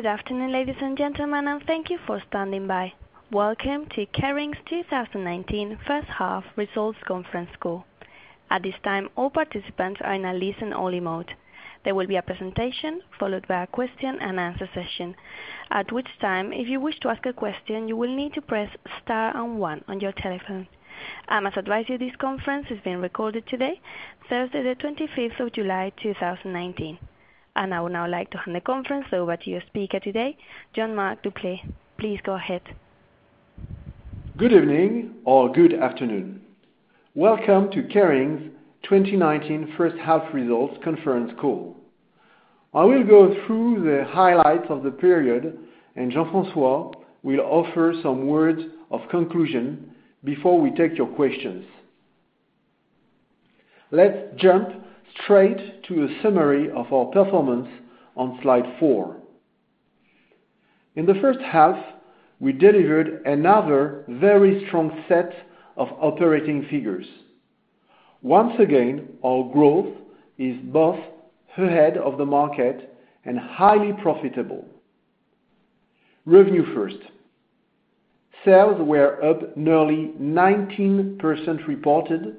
Good afternoon, ladies and gentlemen, and thank you for standing by. Welcome to Kering's 2019 first half results conference call. At this time, all participants are in a listen-only mode. There will be a presentation followed by a question and answer session. At which time, if you wish to ask a question, you will need to press star and one on your telephone. I must advise you this conference is being recorded today, Thursday, the 25th of July, 2019. I would now like to hand the conference over to your speaker today, Jean-Marc Duplaix. Please go ahead. Good evening or good afternoon. Welcome to Kering's 2019 first half results conference call. I will go through the highlights of the period, and Jean-François will offer some words of conclusion before we take your questions. Let's jump straight to a summary of our performance on slide four. In the first half, we delivered another very strong set of operating figures. Once again, our growth is both ahead of the market and highly profitable. Revenue first. Sales were up nearly 19% reported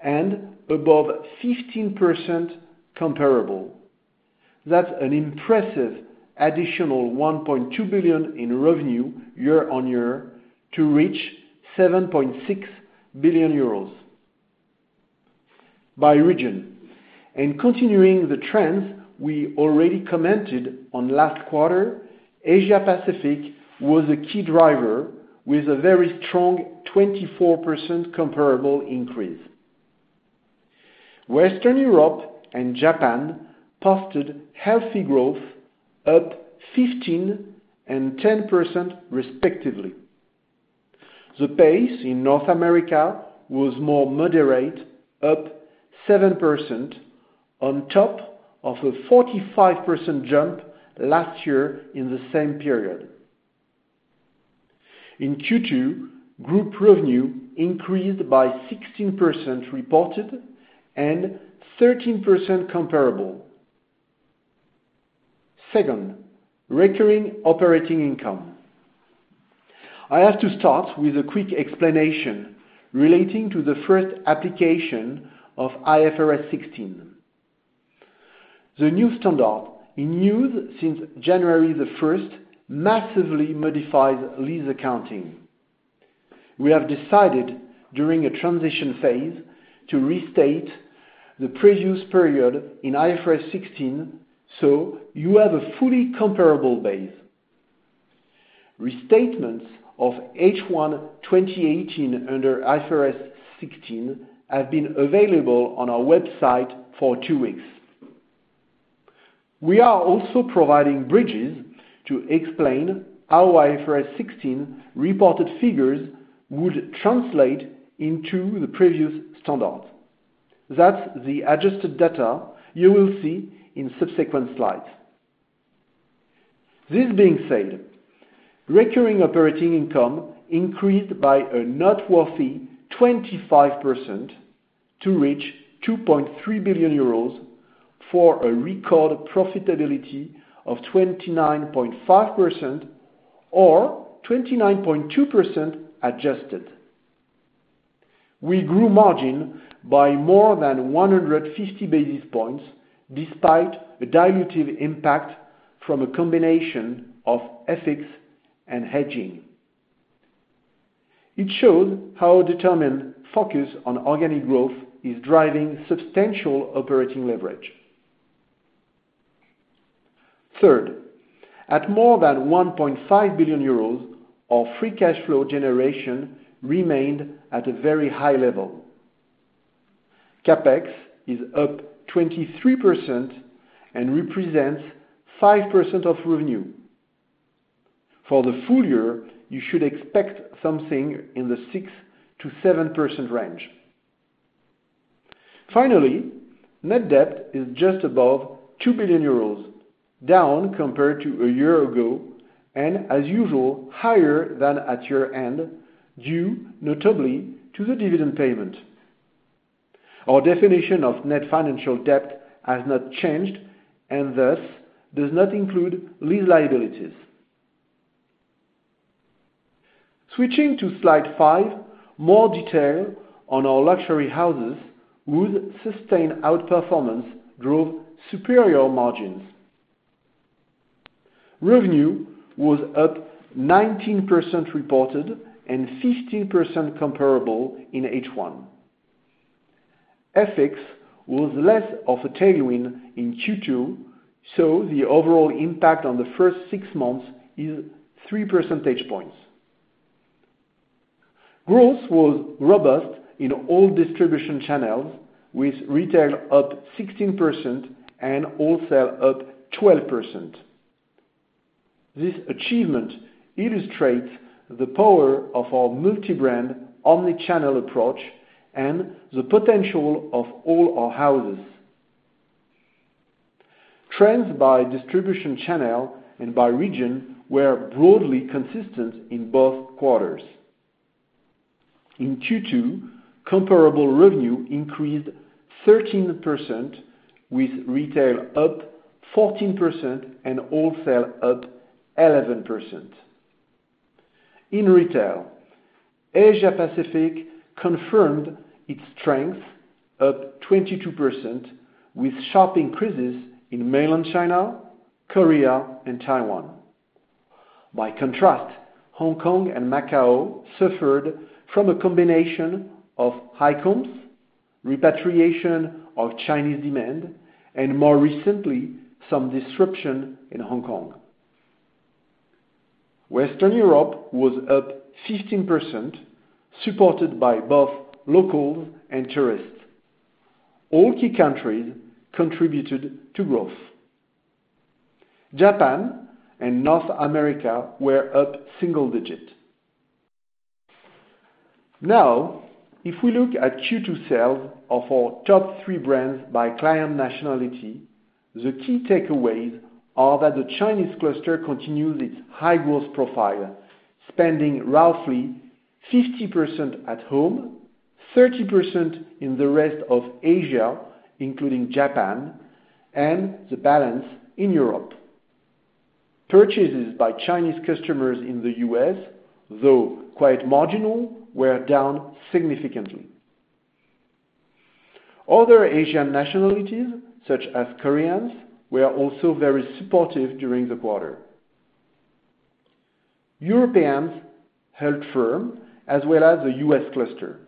and above 15% comparable. That's an impressive additional 1.2 billion in revenue year on year to reach 7.6 billion euros. By region, and continuing the trends we already commented on last quarter, Asia Pacific was a key driver with a very strong 24% comparable increase. Western Europe and Japan posted healthy growth, up 15% and 10% respectively. The pace in North America was more moderate, up 7%, on top of a 45% jump last year in the same period. In Q2, group revenue increased by 16% reported and 13% comparable. Second, recurring operating income. I have to start with a quick explanation relating to the first application of IFRS 16. The new standard, in use since January 1st, massively modifies lease accounting. We have decided during a transition phase to restate the previous period in IFRS 16, so you have a fully comparable base. Restatements of H1 2018 under IFRS 16 have been available on our website for two weeks. We are also providing bridges to explain how IFRS 16 reported figures would translate into the previous standard. That's the adjusted data you will see in subsequent slides. This being said, recurring operating income increased by a noteworthy 25% to reach 2.3 billion euros for a record profitability of 29.5% or 29.2% adjusted. We grew margin by more than 150 basis points despite a dilutive impact from a combination of FX and hedging. It shows how a determined focus on organic growth is driving substantial operating leverage. Third, at more than 1.5 billion euros, our free cash flow generation remained at a very high level. CapEx is up 23% and represents 5% of revenue. For the full year, you should expect something in the 6%-7% range. Finally, net debt is just above 2 billion euros, down compared to a year ago, and as usual, higher than at year-end, due notably to the dividend payment. Our definition of net financial debt has not changed and thus does not include lease liabilities. Switching to slide five, more detail on our luxury houses whose sustained outperformance drove superior margins. Revenue was up 19% reported and 15% comparable in H1. FX was less of a tailwind in Q2, so the overall impact on the first six months is three percentage points. Growth was robust in all distribution channels, with retail up 16% and wholesale up 12%. This achievement illustrates the power of our multi-brand omni-channel approach and the potential of all our houses. Trends by distribution channel and by region were broadly consistent in both quarters. In Q2, comparable revenue increased 13%, with retail up 14% and wholesale up 11%. In retail, Asia Pacific confirmed its strength, up 22%, with sharp increases in mainland China, Korea, and Taiwan. By contrast, Hong Kong and Macau suffered from a combination of high comps, repatriation of Chinese demand, and more recently, some disruption in Hong Kong. Western Europe was up 15%, supported by both locals and tourists. All key countries contributed to growth. Japan and North America were up single-digit. If we look at Q2 sales of our top three brands by client nationality, the key takeaways are that the Chinese cluster continues its high-growth profile, spending roughly 50% at home, 30% in the rest of Asia, including Japan, and the balance in Europe. Purchases by Chinese customers in the U.S., though quite marginal, were down significantly. Other Asian nationalities, such as Koreans, were also very supportive during the quarter. Europeans held firm as well as the U.S. cluster.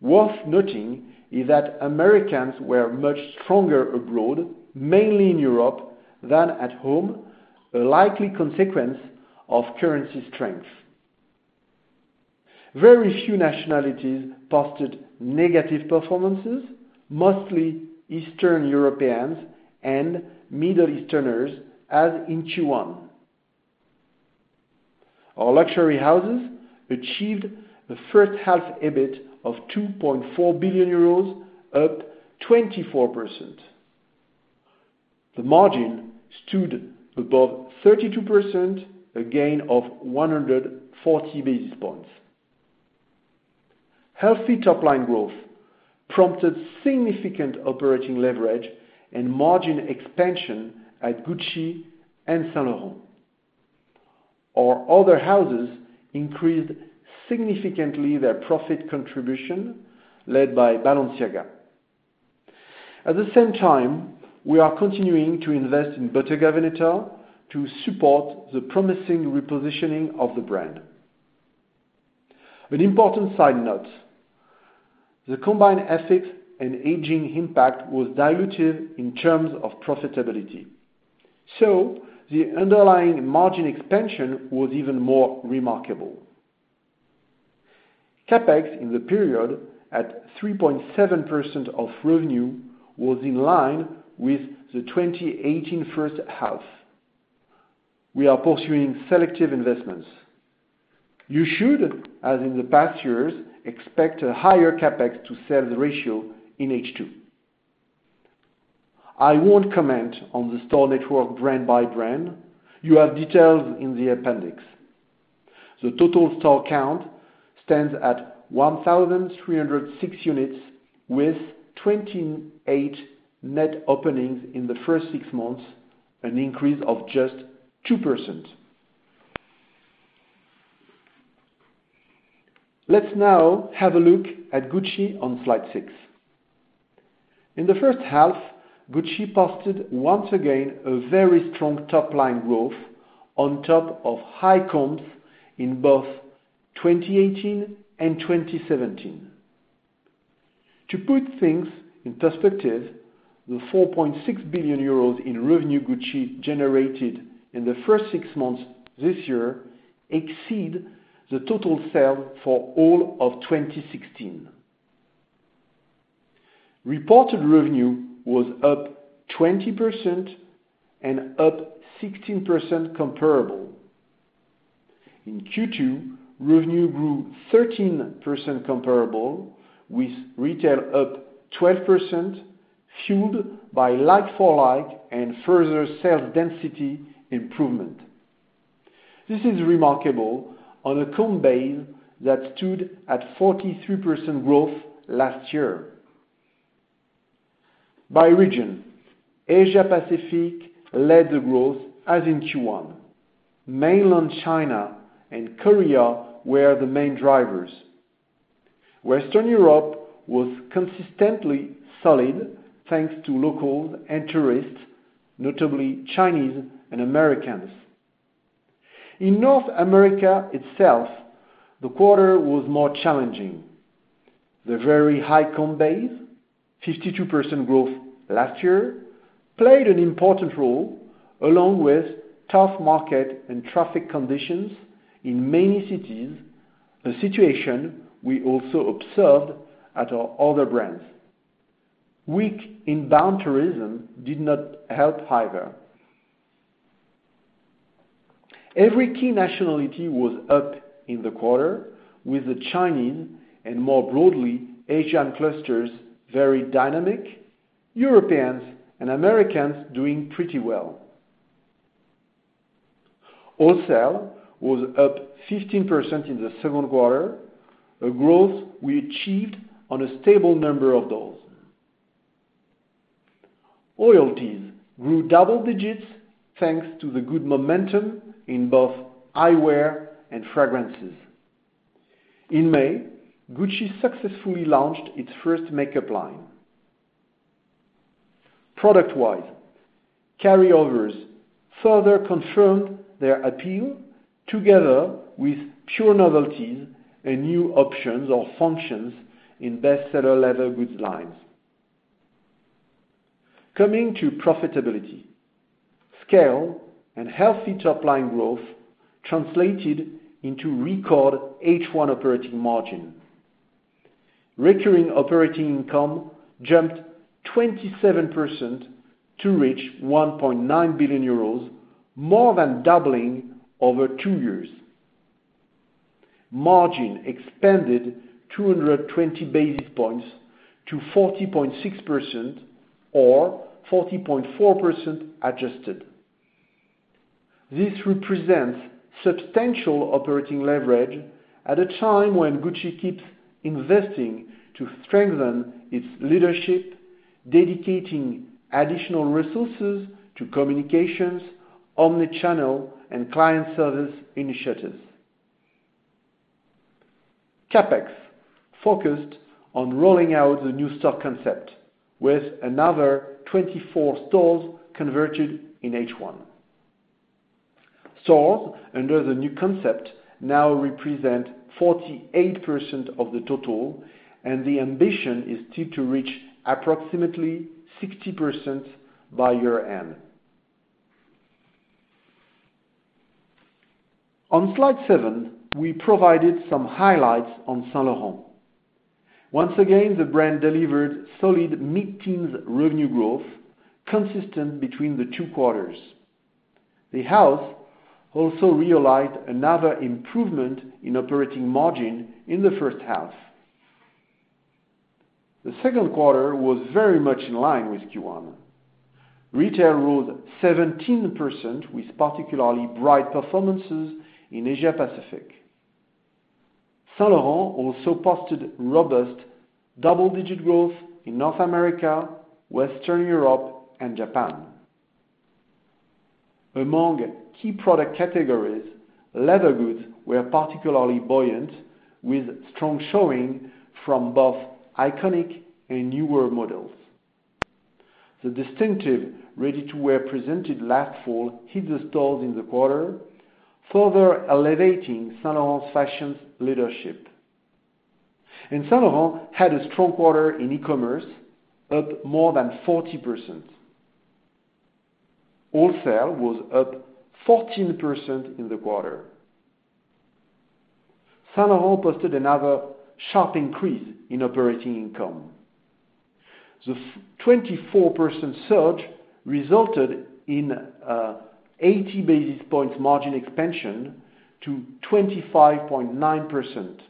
Worth noting is that Americans were much stronger abroad, mainly in Europe, than at home, a likely consequence of currency strength. Very few nationalities posted negative performances, mostly Eastern Europeans and Middle Easterners, as in Q1. Our luxury houses achieved a first half EBIT of 2.4 billion euros, up 24%. The margin stood above 32%, a gain of 140 basis points. Healthy top-line growth prompted significant operating leverage and margin expansion at Gucci and Saint Laurent. Our other houses increased significantly their profit contribution, led by Balenciaga. At the same time, we are continuing to invest in Bottega Veneta to support the promising repositioning of the brand. An important side note, the combined FX and aging impact was diluted in terms of profitability. The underlying margin expansion was even more remarkable. CapEx in the period, at 3.7% of revenue, was in line with the 2018 first half. We are pursuing selective investments. You should, as in the past years, expect a higher CapEx to sales ratio in H2. I won't comment on the store network brand by brand. You have details in the appendix. The total store count stands at 1,306 units with 28 net openings in the first six months, an increase of just 2%. Let's now have a look at Gucci on slide six. In the first half, Gucci posted once again a very strong top-line growth on top of high comps in both 2018 and 2017. To put things in perspective, the 4.6 billion euros in revenue Gucci generated in the first six months this year exceed the total sale for all of 2016. Reported revenue was up 20% and up 16% comparable. In Q2, revenue grew 13% comparable, with retail up 12%, fueled by like for like and further sales density improvement. This is remarkable on a comp base that stood at 43% growth last year. By region, Asia Pacific led the growth, as in Q1. Mainland China and Korea were the main drivers. Western Europe was consistently solid thanks to locals and tourists, notably Chinese and Americans. In North America itself, the quarter was more challenging. The very high comp base, 52% growth last year, played an important role, along with tough market and traffic conditions in many cities, a situation we also observed at our other brands. Weak inbound tourism did not help either. Every key nationality was up in the quarter with the Chinese, and more broadly, Asian clusters, very dynamic, Europeans and Americans doing pretty well. Wholesale was up 15% in the second quarter, a growth we achieved on a stable number of those. Royalties grew double digits thanks to the good momentum in both eyewear and fragrances. In May, Gucci successfully launched its first makeup line. Product-wise, carryovers further confirmed their appeal together with pure novelties and new options or functions in bestseller leather goods lines. Coming to profitability, scale and healthy top-line growth translated into record H1 operating margin. Recurring operating income jumped 27% to reach 1.9 billion euros, more than doubling over two years. Margin expanded 220 basis points to 40.6% or 40.4% adjusted. This represents substantial operating leverage at a time when Gucci keeps investing to strengthen its leadership, dedicating additional resources to communications, omni-channel, and client service initiatives. CapEx focused on rolling out the new stock concept with another 24 stores converted in H1. Stores under the new concept now represent 48% of the total, and the ambition is still to reach approximately 60% by year-end. On slide seven, we provided some highlights on Saint Laurent. Once again, the brand delivered solid mid-teens revenue growth consistent between the two quarters. The house also realized another improvement in operating margin in the first half. The second quarter was very much in line with Q1. Retail rose 17% with particularly bright performances in Asia-Pacific. Saint Laurent also posted robust double-digit growth in North America, Western Europe, and Japan. Among key product categories, leather goods were particularly buoyant with strong showing from both iconic and newer models. The distinctive ready-to-wear presented last fall hit the stores in the quarter, further elevating Saint Laurent fashion's leadership. Saint Laurent had a strong quarter in e-commerce, up more than 40%. Wholesale was up 14% in the quarter. Saint Laurent posted another sharp increase in operating income. The 24% surge resulted in 80 basis points margin expansion to 25.9%.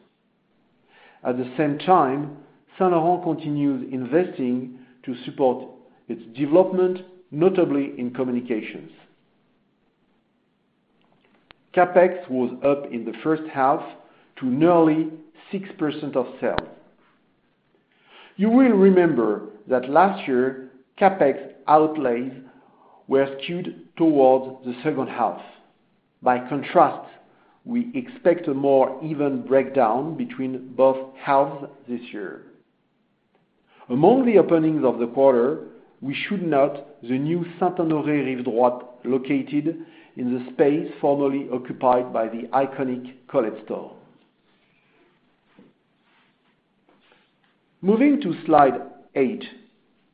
At the same time, Saint Laurent continued investing to support its development, notably in communications. CapEx was up in the first half to nearly 6% of sales. You will remember that last year, CapEx outlays were skewed towards the second half. We expect a more even breakdown between both halves this year. Among the openings of the quarter, we should note the new Saint Laurent Rive Droite located in the space formerly occupied by the iconic Colette store. Moving to slide eight,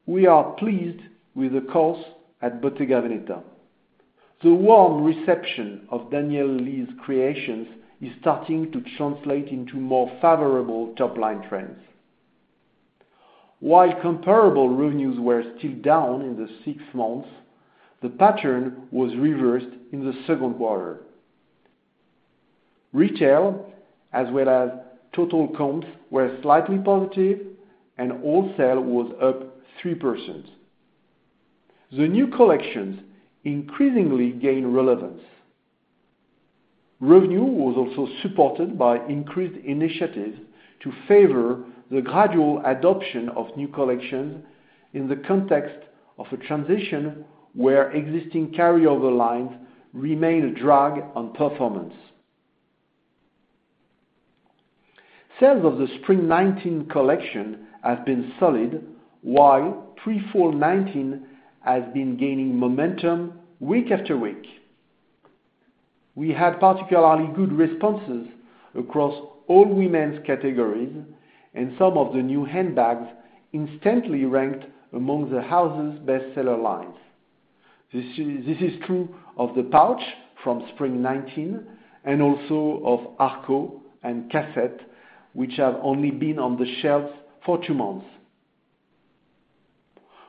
we are pleased with the course at Bottega Veneta. The warm reception of Daniel Lee's creations is starting to translate into more favorable top-line trends. While comparable revenues were still down in the six months, the pattern was reversed in the second quarter. Retail as well as total comps were slightly positive and wholesale was up 3%. The new collections increasingly gain relevance. Revenue was also supported by increased initiatives to favor the gradual adoption of new collections in the context of a transition where existing carryover lines remain a drag on performance. Sales of the Spring '19 collection has been solid, while Pre-Fall '19 has been gaining momentum week after week. We had particularly good responses across all women's categories and some of the new handbags instantly ranked among the house's bestseller lines. This is true of the Pouch from Spring '19 and also of Arco and Cassette, which have only been on the shelves for two months.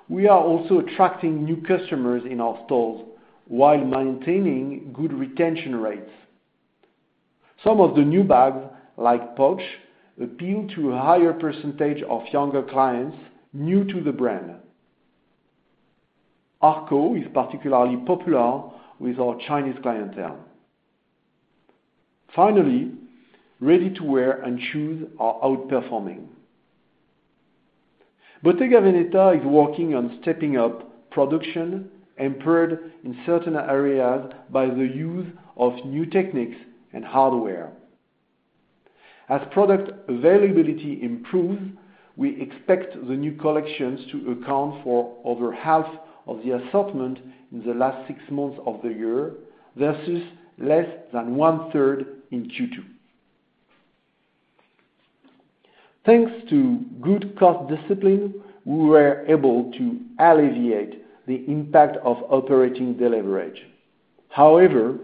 We are also attracting new customers in our stores while maintaining good retention rates. Some of the new bags, like Pouch, appeal to a higher percentage of younger clients new to the brand. Arco is particularly popular with our Chinese clientele. Finally, ready-to-wear and shoes are outperforming. Bottega Veneta is working on stepping up production, empowered in certain areas by the use of new techniques and hardware. As product availability improves, we expect the new collections to account for over half of the assortment in the last six months of the year, versus less than one-third in Q2. Thanks to good cost discipline, we were able to alleviate the impact of operating deleverage. However,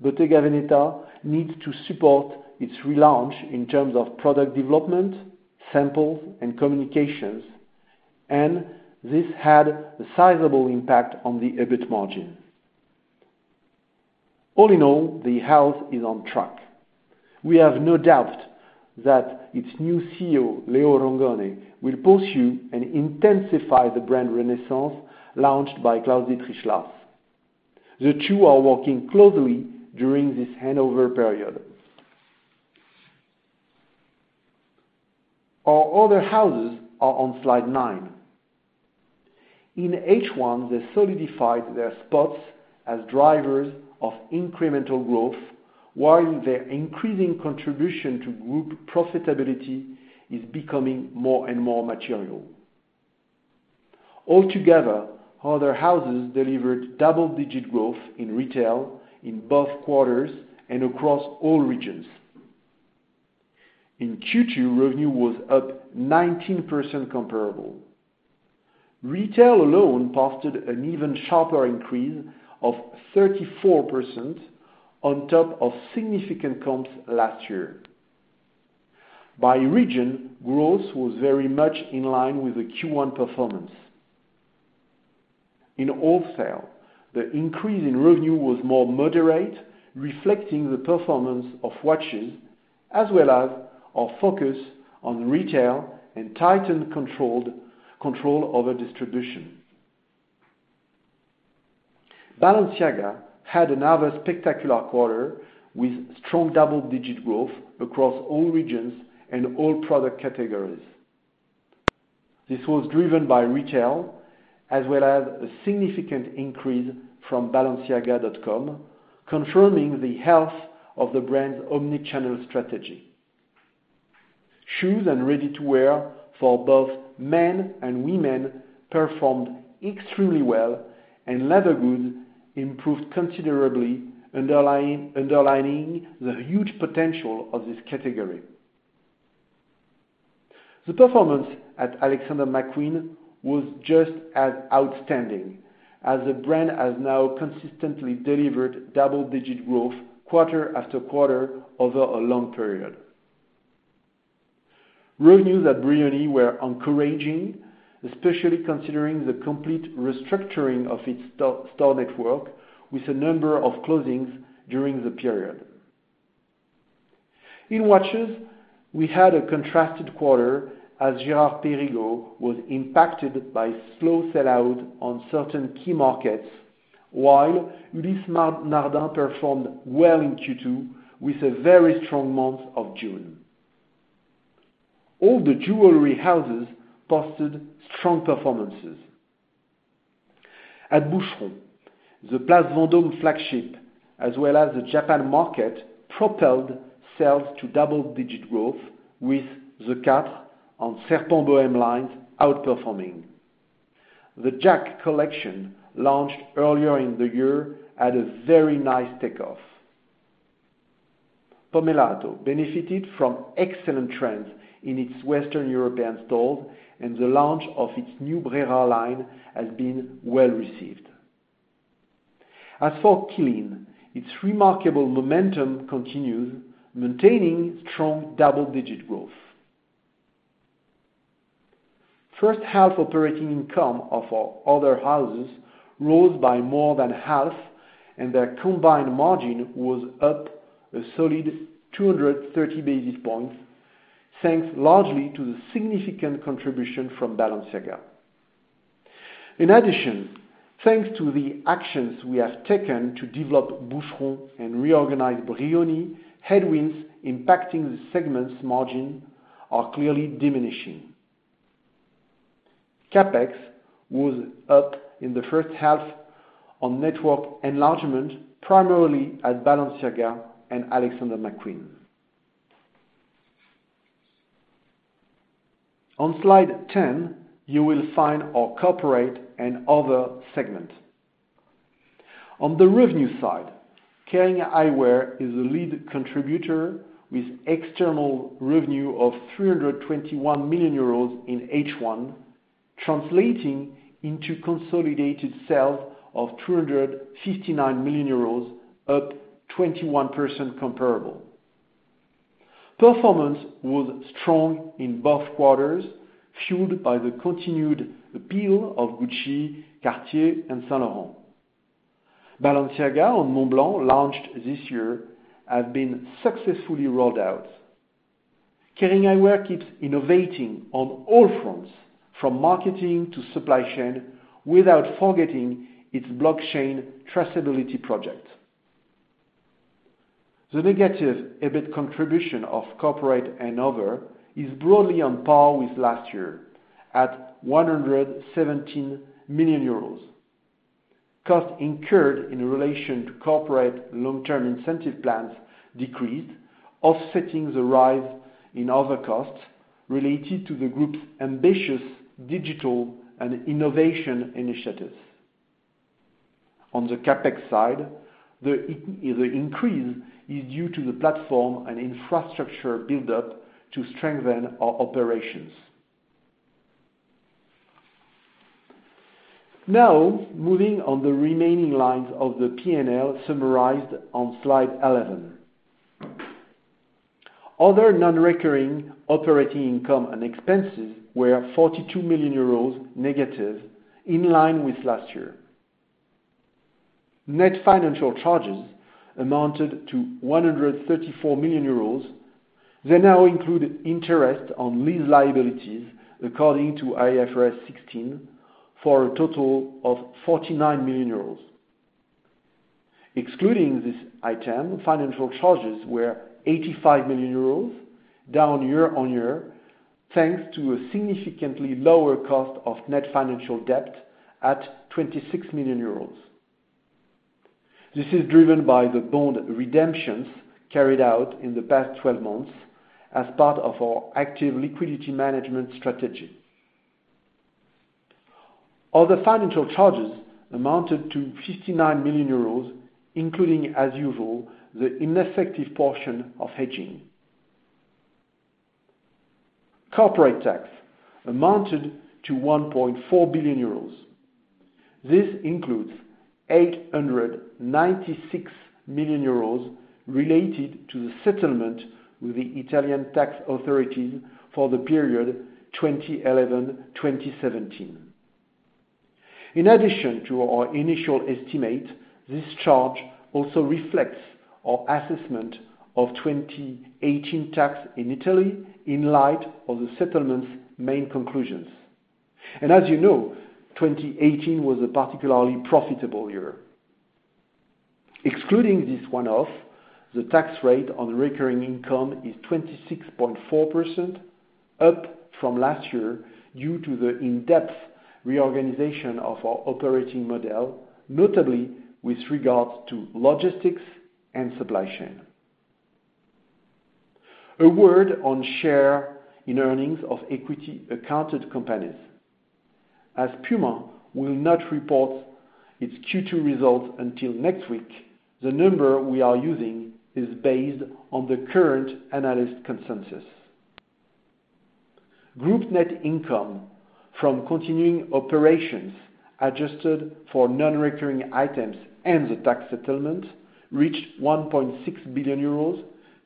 Bottega Veneta needs to support its relaunch in terms of product development, samples, and communications, and this had a sizable impact on the EBIT margin. All in all, the house is on track. We have no doubt that its new CEO, Leo Rongone, will pursue and intensify the brand renaissance launched by Claus-Dietrich Lahrs. The two are working closely during this handover period. Our other houses are on slide nine. In H1, they solidified their spots as drivers of incremental growth, while their increasing contribution to group profitability is becoming more and more material. Altogether, other houses delivered double-digit growth in retail in both quarters and across all regions. In Q2, revenue was up 19% comparable. Retail alone posted an even sharper increase of 34% on top of significant comps last year. By region, growth was very much in line with the Q1 performance. In wholesale, the increase in revenue was more moderate, reflecting the performance of watches, as well as our focus on retail and tightened control over distribution. Balenciaga had another spectacular quarter with strong double-digit growth across all regions and all product categories. This was driven by retail as well as a significant increase from balenciaga.com, confirming the health of the brand's omni-channel strategy. Shoes and ready-to-wear for both men and women performed extremely well, and leather goods improved considerably, underlining the huge potential of this category. The performance at Alexander McQueen was just as outstanding, as the brand has now consistently delivered double-digit growth quarter after quarter over a long period. Revenues at Brioni were encouraging, especially considering the complete restructuring of its store network with a number of closings during the period. In watches, we had a contrasted quarter as Girard-Perregaux was impacted by slow sell-out on certain key markets, while Ulysse Nardin performed well in Q2 with a very strong month of June. All the jewelry houses posted strong performances. At Boucheron, the Place Vendôme flagship as well as the Japan market propelled sales to double-digit growth with the Quatre and Serpent Bohème lines outperforming. The Jack collection, launched earlier in the year, had a very nice takeoff. Pomellato benefited from excellent trends in its Western European stores, and the launch of its new Brera line has been well-received. As for Boucheron, its remarkable momentum continues, maintaining strong double-digit growth. First-half operating income of our other houses rose by more than half, and their combined margin was up a solid 230 basis points, thanks largely to the significant contribution from Balenciaga. In addition, thanks to the actions we have taken to develop Boucheron and reorganize Brioni, headwinds impacting the segment's margin are clearly diminishing. CapEx was up in the first half on network enlargement, primarily at Balenciaga and Alexander McQueen. On slide 10, you will find our corporate and other segment. On the revenue side, Kering Eyewear is a lead contributor with external revenue of 321 million euros in H1, translating into consolidated sales of 259 million euros, up 21% comparable. Performance was strong in both quarters, fueled by the continued appeal of Gucci, Cartier, and Saint Laurent. Balenciaga and Montblanc, launched this year, have been successfully rolled out. Kering Eyewear keeps innovating on all fronts, from marketing to supply chain, without forgetting its blockchain traceability project. The negative EBIT contribution of corporate and other is broadly on par with last year at 117 million euros. Costs incurred in relation to corporate long-term incentive plans decreased, offsetting the rise in other costs related to the group's ambitious digital and innovation initiatives. On the CapEx side, the increase is due to the platform and infrastructure build-up to strengthen our operations. Now, moving on the remaining lines of the P&L summarized on slide 11. Other non-recurring operating income and expenses were EUR 42 million negative, in line with last year. Net financial charges amounted to 134 million euros. They now include interest on lease liabilities according to IFRS 16, for a total of 49 million euros. Excluding this item, financial charges were 85 million euros, down year-over-year, thanks to a significantly lower cost of net financial debt at 26 million euros. This is driven by the bond redemptions carried out in the past 12 months as part of our active liquidity management strategy. Other financial charges amounted to 59 million euros, including, as usual, the ineffective portion of hedging. Corporate tax amounted to 1.4 billion euros. This includes 896 million euros related to the settlement with the Italian tax authorities for the period 2011-2017. In addition to our initial estimate, this charge also reflects our assessment of 2018 tax in Italy in light of the settlement's main conclusions. As you know, 2018 was a particularly profitable year. Excluding this one-off, the tax rate on recurring income is 26.4%, up from last year due to the in-depth reorganization of our operating model, notably with regards to logistics and supply chain. A word on share in earnings of equity accounted companies. As PUMA will not report its Q2 results until next week, the number we are using is based on the current analyst consensus. Group net income from continuing operations adjusted for non-recurring items and the tax settlement reached 1.6 billion euros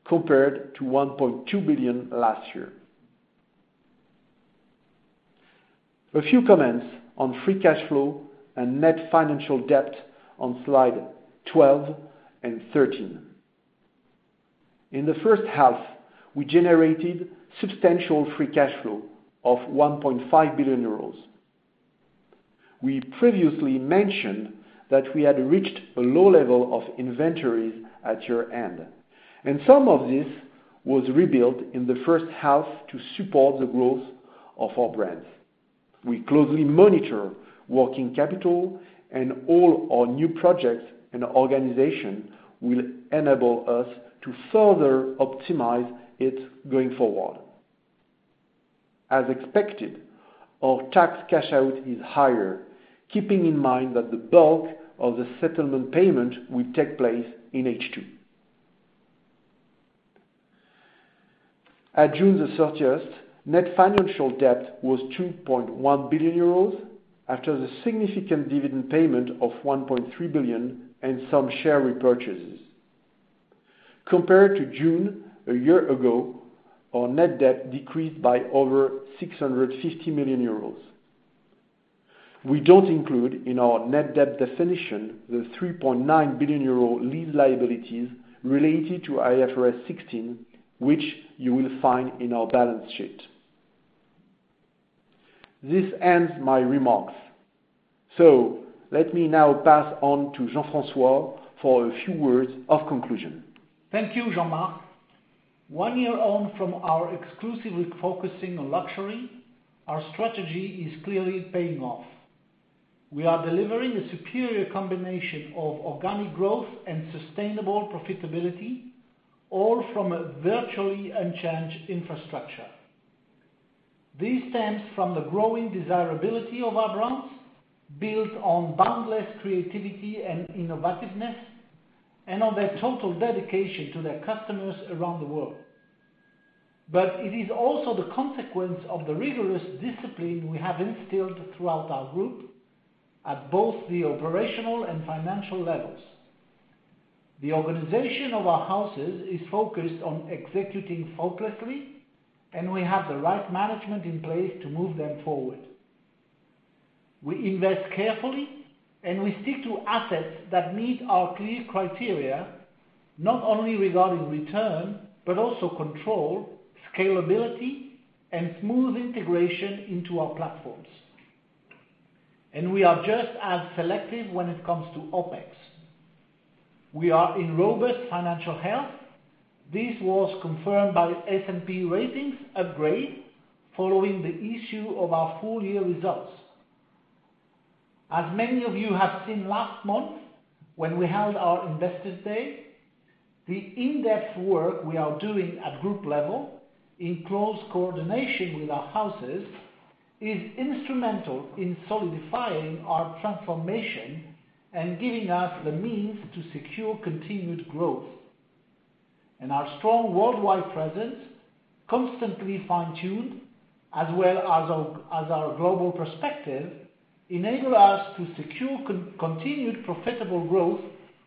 compared to 1.2 billion last year. A few comments on free cash flow and net financial debt on slide 12 and 13. In the first half, we generated substantial free cash flow of 1.5 billion euros. We previously mentioned that we had reached a low level of inventories at year-end, and some of this was rebuilt in the first half to support the growth of our brands. We closely monitor working capital and all our new projects and organization will enable us to further optimize it going forward. As expected, our tax cash-out is higher, keeping in mind that the bulk of the settlement payment will take place in H2. At June 30th, net financial debt was 1.1 billion euros after the significant dividend payment of 1.3 billion and some share repurchases. Compared to June a year ago, our net debt decreased by over 650 million euros. We don't include in our net debt definition the 3.9 billion euro lease liabilities related to IFRS 16, which you will find in our balance sheet. This ends my remarks. Let me now pass on to Jean-François for a few words of conclusion. Thank you, Jean-Marc. One year on from our exclusively focusing on luxury, our strategy is clearly paying off. We are delivering a superior combination of organic growth and sustainable profitability, all from a virtually unchanged infrastructure. This stems from the growing desirability of our brands, built on boundless creativity and innovativeness, and on their total dedication to their customers around the world. It is also the consequence of the rigorous discipline we have instilled throughout our group. At both the operational and financial levels. The organization of our houses is focused on executing flawlessly, and we have the right management in place to move them forward. We invest carefully, and we stick to assets that meet our clear criteria, not only regarding return, but also control, scalability, and smooth integration into our platforms. We are just as selective when it comes to OpEx. We are in robust financial health. This was confirmed by S&P ratings upgrade following the issue of our full year results. As many of you have seen last month when we held our Investors Day, the in-depth work we are doing at group level, in close coordination with our houses, is instrumental in solidifying our transformation and giving us the means to secure continued growth. Our strong worldwide presence, constantly fine-tuned, as well as our global perspective, enable us to secure continued profitable growth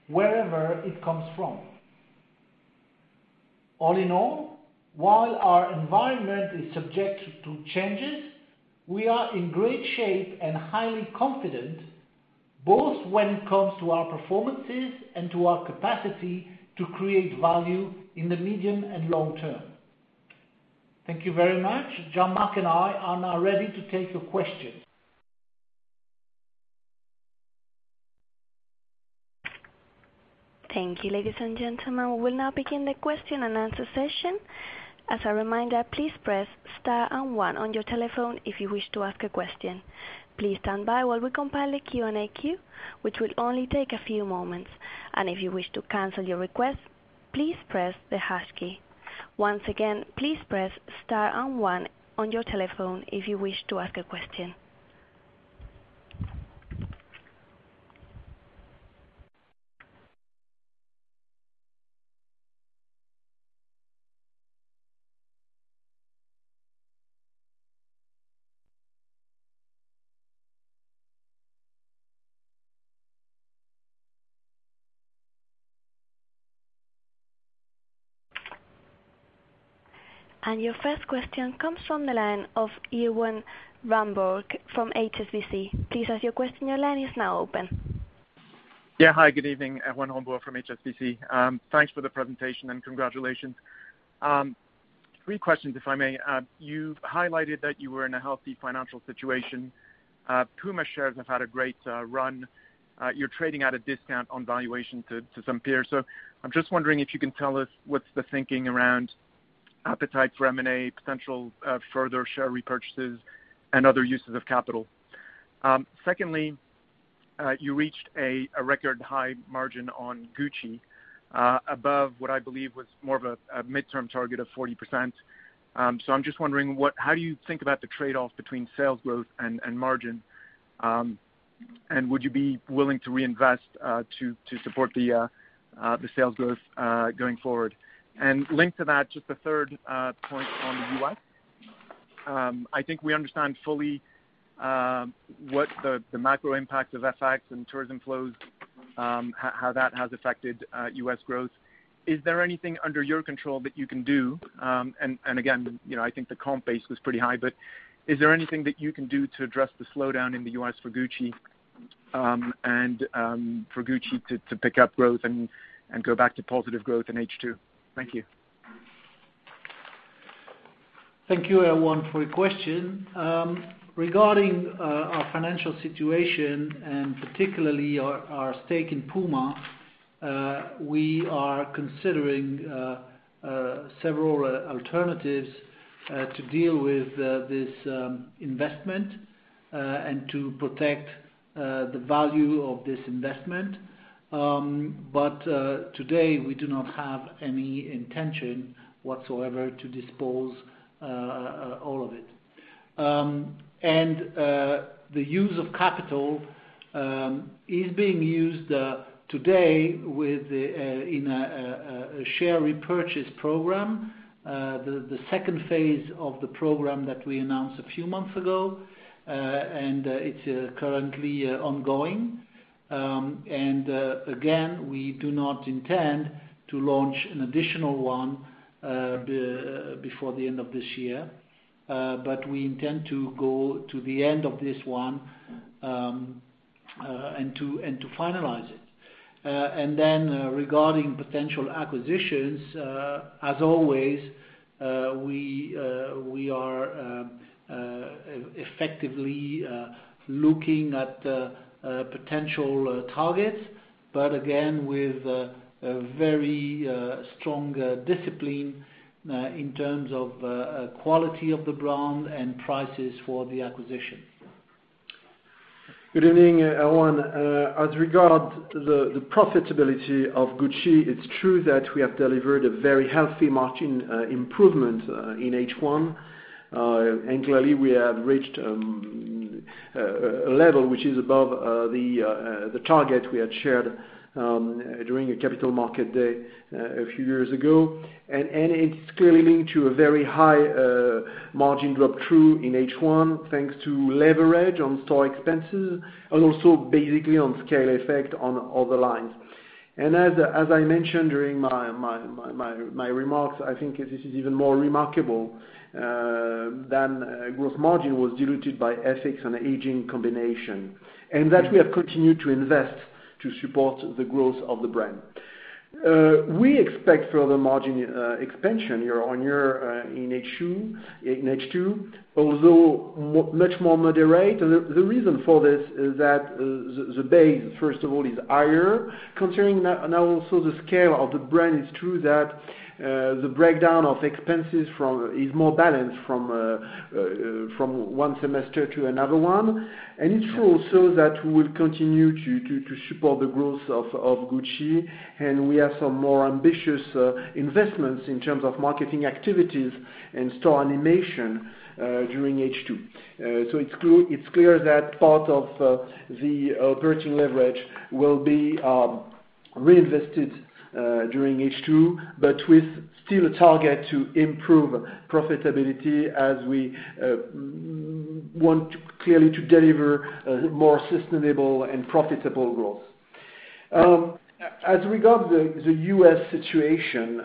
wherever it comes from. All in all, while our environment is subject to changes, we are in great shape and highly confident both when it comes to our performances and to our capacity to create value in the medium and long term. Thank you very much. Jean-Marc and I are now ready to take your questions. Thank you, ladies and gentlemen. We will now begin the question and answer session. As a reminder, please press star and one on your telephone if you wish to ask a question. Please stand by while we compile the Q&A queue, which will only take a few moments. If you wish to cancel your request, please press the hash key. Once again, please press star and one on your telephone if you wish to ask a question. Your first question comes from the line of Erwan Rambourg from HSBC. Please ask your question. Your line is now open. Yeah. Hi, good evening. Erwan Rambourg from HSBC. Thanks for the presentation and congratulations. Three questions if I may. You've highlighted that you were in a healthy financial situation. PUMA shares have had a great run. You're trading at a discount on valuation to some peers. I'm just wondering if you can tell us what's the thinking around appetite for M&A, potential further share repurchases, and other uses of capital. Secondly, you reached a record high margin on Gucci, above what I believe was more of a midterm target of 40%. I'm just wondering, how do you think about the trade-off between sales growth and margin? Would you be willing to reinvest to support the sales growth, going forward? Linked to that, just the third point on the U.S. I think we understand fully what the macro impact of FX and tourism flows, how that has affected U.S. growth. Is there anything under your control that you can do? Again, I think the comp base was pretty high, but is there anything that you can do to address the slowdown in the U.S. for Gucci, and for Gucci to pick up growth and go back to positive growth in H2? Thank you. Thank you, Erwan, for your question. Regarding our financial situation and particularly our stake in PUMA, we are considering several alternatives to deal with this investment and to protect the value of this investment. Today, we do not have any intention whatsoever to dispose all of it. The use of capital is being used today in a share repurchase program, the second phase of the program that we announced a few months ago. It's currently ongoing. Again, we do not intend to launch an additional one before the end of this year. We intend to go to the end of this one and to finalize it. Then regarding potential acquisitions, as always, we are effectively looking at potential targets, but again, with a very strong discipline in terms of quality of the brand and prices for the acquisition. Good evening, Erwan. As regard to the profitability of Gucci, it's true that we have delivered a very healthy margin improvement in H1. Clearly, we have reached a level which is above the target we had shared during a capital market day a few years ago. It's clearly linked to a very high margin drop-through in H1, thanks to leverage on store expenses and also basically on scale effect on other lines. As I mentioned during my remarks, I think this is even more remarkable than growth margin was diluted by FX and hedging combination, and that we have continued to invest to support the growth of the brand. We expect further margin expansion year-on-year in H2, although much more moderate. The reason for this is that the base, first of all, is higher considering now also the scale of the brand, it's true that the breakdown of expenses is more balanced from one semester to another one. It's true also that we will continue to support the growth of Gucci, and we have some more ambitious investments in terms of marketing activities and store animation during H2. It's clear that part of the operating leverage will be reinvested during H2, but with still a target to improve profitability as we want clearly to deliver more sustainable and profitable growth. As regard the U.S. situation,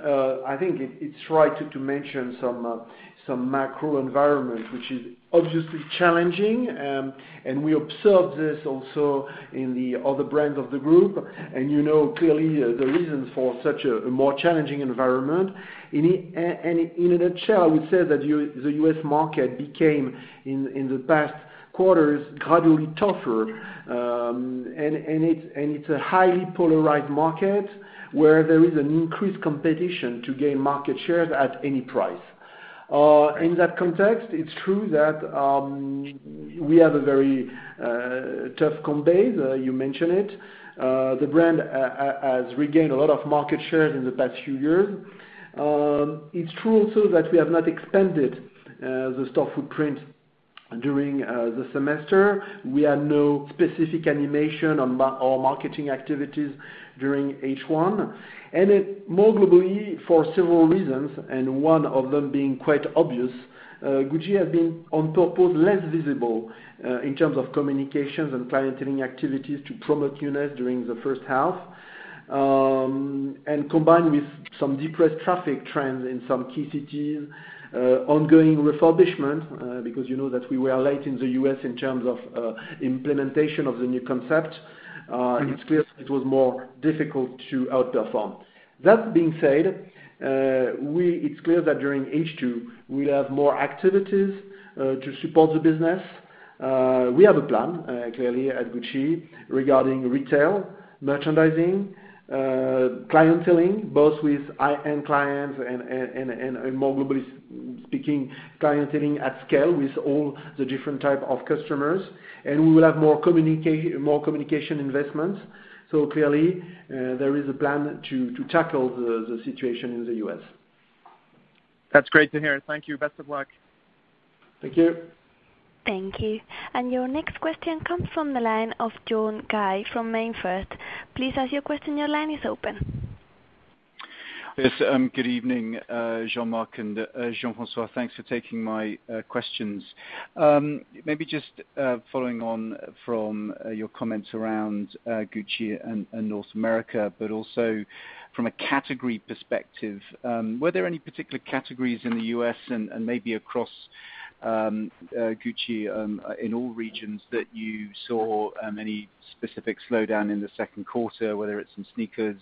I think it's right to mention some macro environment, which is obviously challenging. We observed this also in the other brands of the Group. You know clearly the reason for such a more challenging environment. In a nutshell, I would say that the U.S. market became, in the past quarters, gradually tougher. It's a highly polarized market, where there is an increased competition to gain market shares at any price. In that context, it's true that we have a very tough compare. You mentioned it. The brand has regained a lot of market shares in the past few years. It's true also that we have not expanded the store footprint during the semester. We had no specific animation on our marketing activities during H1. More globally, for several reasons, and one of them being quite obvious, Gucci has been on purpose, less visible, in terms of communications and clienteling activities to promote units during the first half. Combined with some depressed traffic trends in some key cities, ongoing refurbishment, because you know that we were late in the U.S. in terms of implementation of the new concept. It's clear it was more difficult to outperform. That being said, it's clear that during H2, we have more activities to support the business. We have a plan, clearly, at Gucci regarding retail, merchandising, clienteling, both with high-end clients and more globally speaking, clienteling at scale with all the different type of customers, and we will have more communication investments. Clearly, there is a plan to tackle the situation in the U.S. That's great to hear. Thank you. Best of luck. Thank you. Thank you. Your next question comes from the line of John Guy from MainFirst. Please ask your question, your line is open. Yes. Good evening, Jean-Marc and Jean-François. Thanks for taking my questions. Maybe just following on from your comments around Gucci and North America, also from a category perspective, were there any particular categories in the U.S. and maybe across Gucci, in all regions that you saw any specific slowdown in the second quarter, whether it's in sneakers,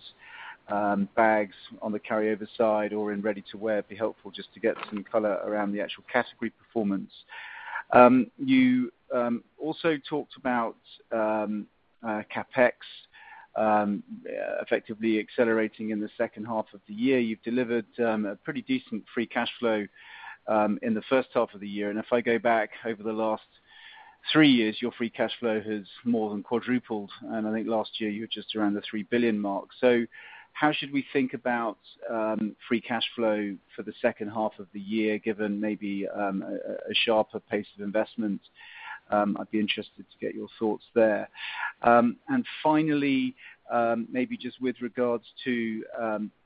bags on the carryover side or in ready-to-wear? It'd be helpful just to get some color around the actual category performance. You also talked about CapEx effectively accelerating in the second half of the year. You've delivered a pretty decent free cash flow in the first half of the year. If I go back over the last three years, your free cash flow has more than quadrupled, and I think last year you were just around the 3 billion mark. How should we think about free cash flow for the second half of the year, given maybe a sharper pace of investment? I would be interested to get your thoughts there. Finally, maybe just with regards to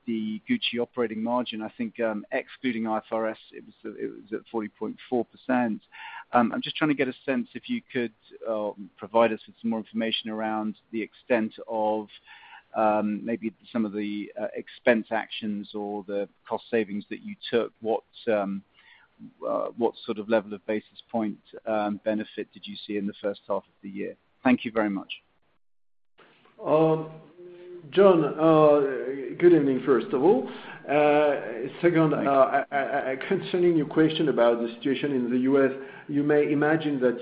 the Gucci operating margin, I think excluding IFRS, it was at 40.4%. I am just trying to get a sense, if you could provide us with some more information around the extent of maybe some of the expense actions or the cost savings that you took. What sort of level of basis point benefit did you see in the first half of the year? Thank you very much. John, good evening, first of all. Thank you. Concerning your question about the situation in the U.S., you may imagine that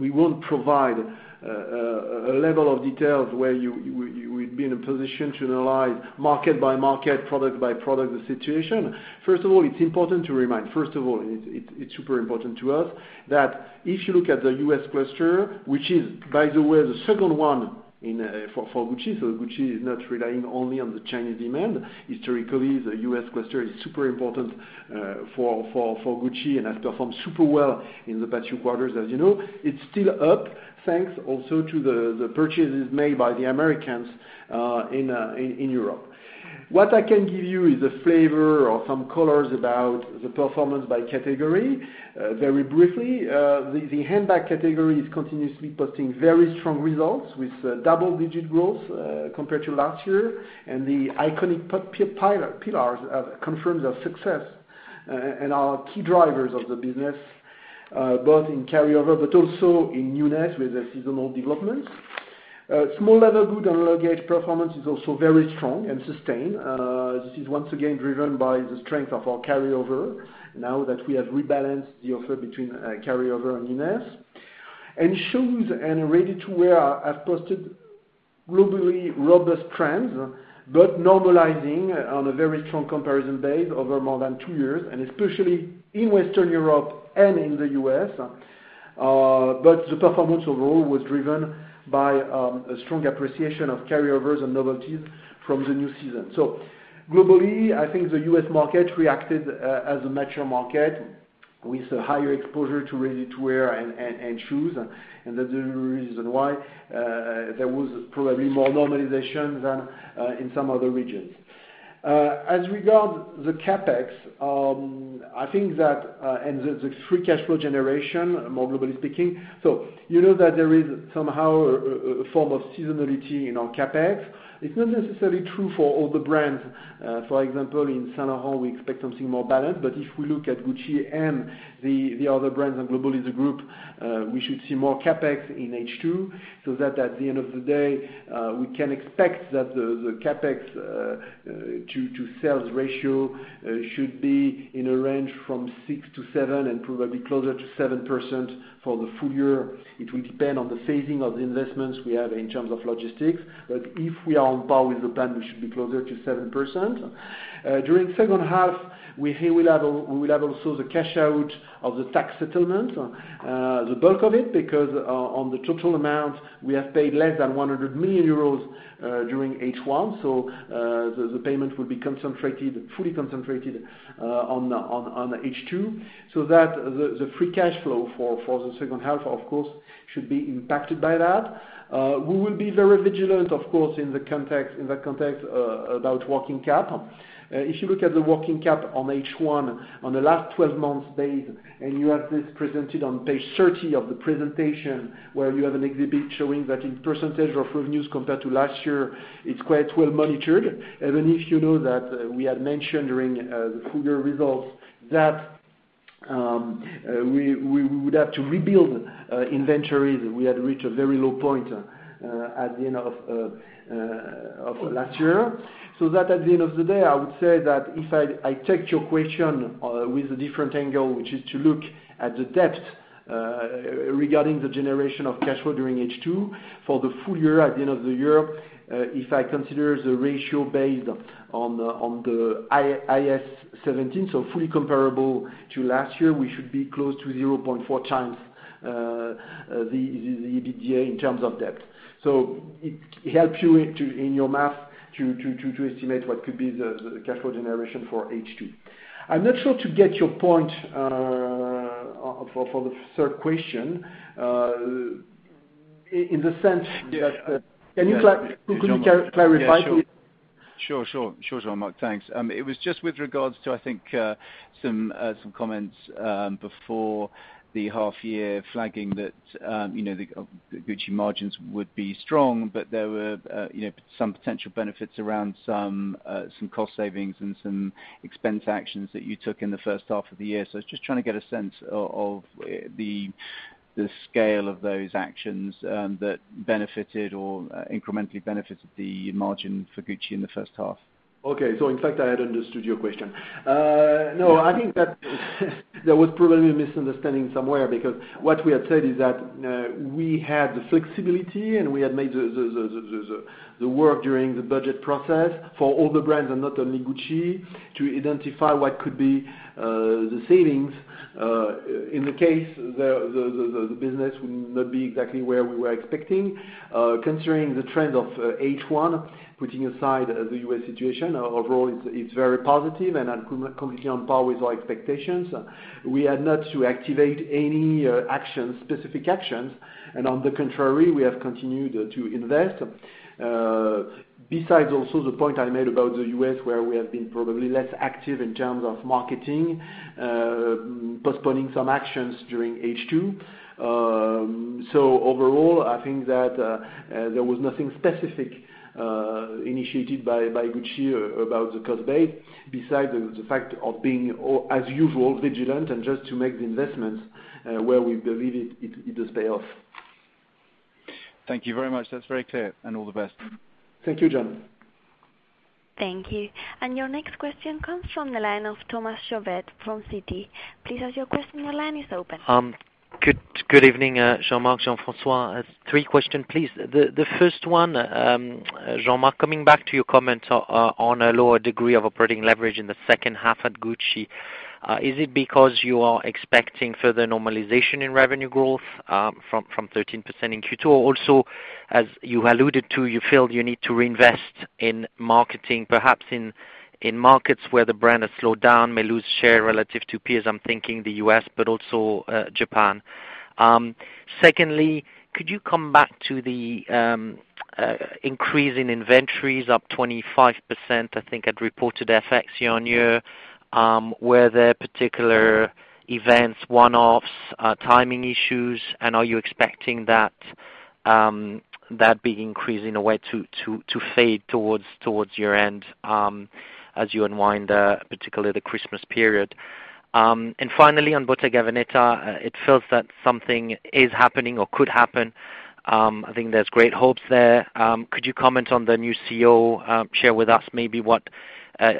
we won't provide a level of details where we'd be in a position to analyze market by market, product by product, the situation. First of all, it's super important to us that if you look at the U.S. cluster, which is, by the way, the second one for Gucci is not relying only on the Chinese demand. Historically, the U.S. cluster is super important for Gucci and has performed super well in the past few quarters, as you know. It's still up, thanks also to the purchases made by the Americans in Europe. What I can give you is a flavor or some colors about the performance by category. Very briefly, the handbag category is continuously posting very strong results with double-digit growth compared to last year. The iconic pillars have confirmed their success and are key drivers of the business, both in carryover but also in newness with the seasonal developments. Small leather good and luggage performance is also very strong and sustained. This is once again driven by the strength of our carryover, now that we have rebalanced the offer between carryover and newness. Shoes and ready-to-wear have posted globally robust trends, but normalizing on a very strong comparison base over more than two years, and especially in Western Europe and in the U.S. The performance overall was driven by a strong appreciation of carryovers and novelties from the new season. Globally, I think the U.S. market reacted as a mature market with a higher exposure to ready-to-wear and shoes, and that's the reason why there was probably more normalization than in some other regions. As regard the CapEx, and the free cash flow generation, more globally speaking. You know that there is somehow a form of seasonality in our CapEx. It's not necessarily true for all the brands. For example, in Saint Laurent, we expect something more balanced, but if we look at Gucci and the other brands and globally the group, we should see more CapEx in H2, that at the end of the day, we can expect that the CapEx-to-sales ratio should be in a range from 6%-7% and probably closer to 7% for the full year. It will depend on the phasing of the investments we have in terms of logistics, but if we are on par with the plan, we should be closer to 7%. During second half, we will have also the cash out of the tax settlement, the bulk of it, because on the total amount, we have paid less than 100 million euros during H1. The payment will be fully concentrated on H2, so that the free cash flow for the second half, of course, should be impacted by that. We will be very vigilant, of course, in the context about working cap. If you look at the working cap on H1, on a last 12 months base, and you have this presented on page 30 of the presentation where you have an exhibit showing that in percentage of revenues compared to last year, it's quite well-monitored. Even if you know that we had mentioned during the full year results that we would have to rebuild inventories. We had reached a very low point at the end of last year. At the end of the day, I would say that if I take your question with a different angle, which is to look at the debt regarding the generation of cash flow during H2 for the full year, at the end of the year, if I consider the ratio based on the IAS 17, so fully comparable to last year, we should be close to 0.4 times the EBITDA in terms of debt. It helps you in your math to estimate what could be the cash flow generation for H2. I'm not sure to get your point for the third question, in the sense that. Yeah. Could you clarify, please? Yeah, sure. Sure, Jean-Marc. Thanks. It was just with regards to, I think, some comments before the half year flagging that the Gucci margins would be strong, but there were some potential benefits around some cost savings and some expense actions that you took in the first half of the year. I was just trying to get a sense of the scale of those actions that benefited or incrementally benefited the margin for Gucci in the first half. Okay. In fact, I had understood your question. No, I think that there was probably a misunderstanding somewhere because what we had said is that we had the flexibility, and we had made the work during the budget process for all the brands and not only Gucci, to identify what could be the savings, in the case the business would not be exactly where we were expecting. Considering the trend of H1, putting aside the U.S. situation, overall it's very positive and completely on par with our expectations. We had not to activate any specific actions, and on the contrary, we have continued to invest. Besides also the point I made about the U.S. where we have been probably less active in terms of marketing, postponing some actions during H2. Overall, I think that there was nothing specific initiated by Gucci about the cost base, besides the fact of being, as usual, vigilant and just to make the investments where we believe it does pay off. Thank you very much. That's very clear. All the best. Thank you, John. Thank you. Your next question comes from the line of Thomas Chauvet from Citi. Please ask your question, your line is open. Good evening, Jean-Marc, Jean-François. Three question, please. As you alluded to, you feel you need to reinvest in marketing perhaps in markets where the brand has slowed down, may lose share relative to peers. I'm thinking the U.S., but also Japan. Secondly, could you come back to the increase in inventories up 25%, I think at reported FX year-on-year. Are you expecting that big increase, in a way, to fade towards year-end as you unwind, particularly the Christmas period? Finally, on Bottega Veneta, it feels that something is happening or could happen. I think there's great hopes there. Could you comment on the new CEO? Share with us maybe what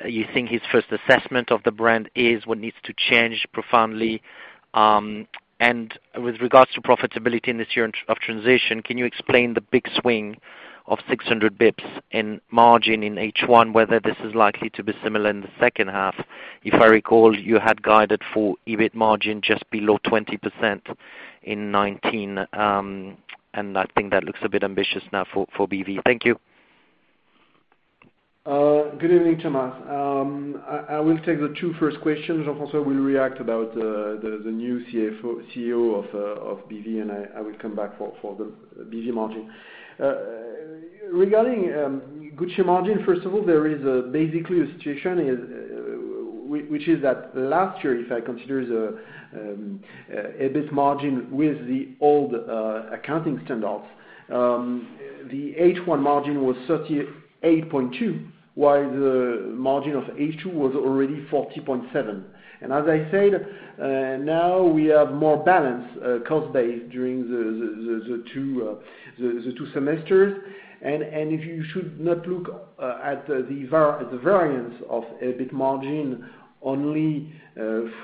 you think his first assessment of the brand is, what needs to change profoundly. With regards to profitability in this year of transition, can you explain the big swing of 600 basis points in margin in H1, whether this is likely to be similar in the second half? If I recall, you had guided for EBIT margin just below 20% in 2019, and I think that looks a bit ambitious now for BV. Thank you. Good evening, Thomas. I will take the two first questions. Jean-François will react about the new CEO of BV, and I will come back for the BV margin. Regarding Gucci margin, first of all, there is basically a situation which is that last year, if I consider the EBIT margin with the old accounting standards, the H1 margin was 38.2, while the margin of H2 was already 40.7. As I said, now we have more balanced cost base during the two semesters. You should not look at the variance of EBIT margin only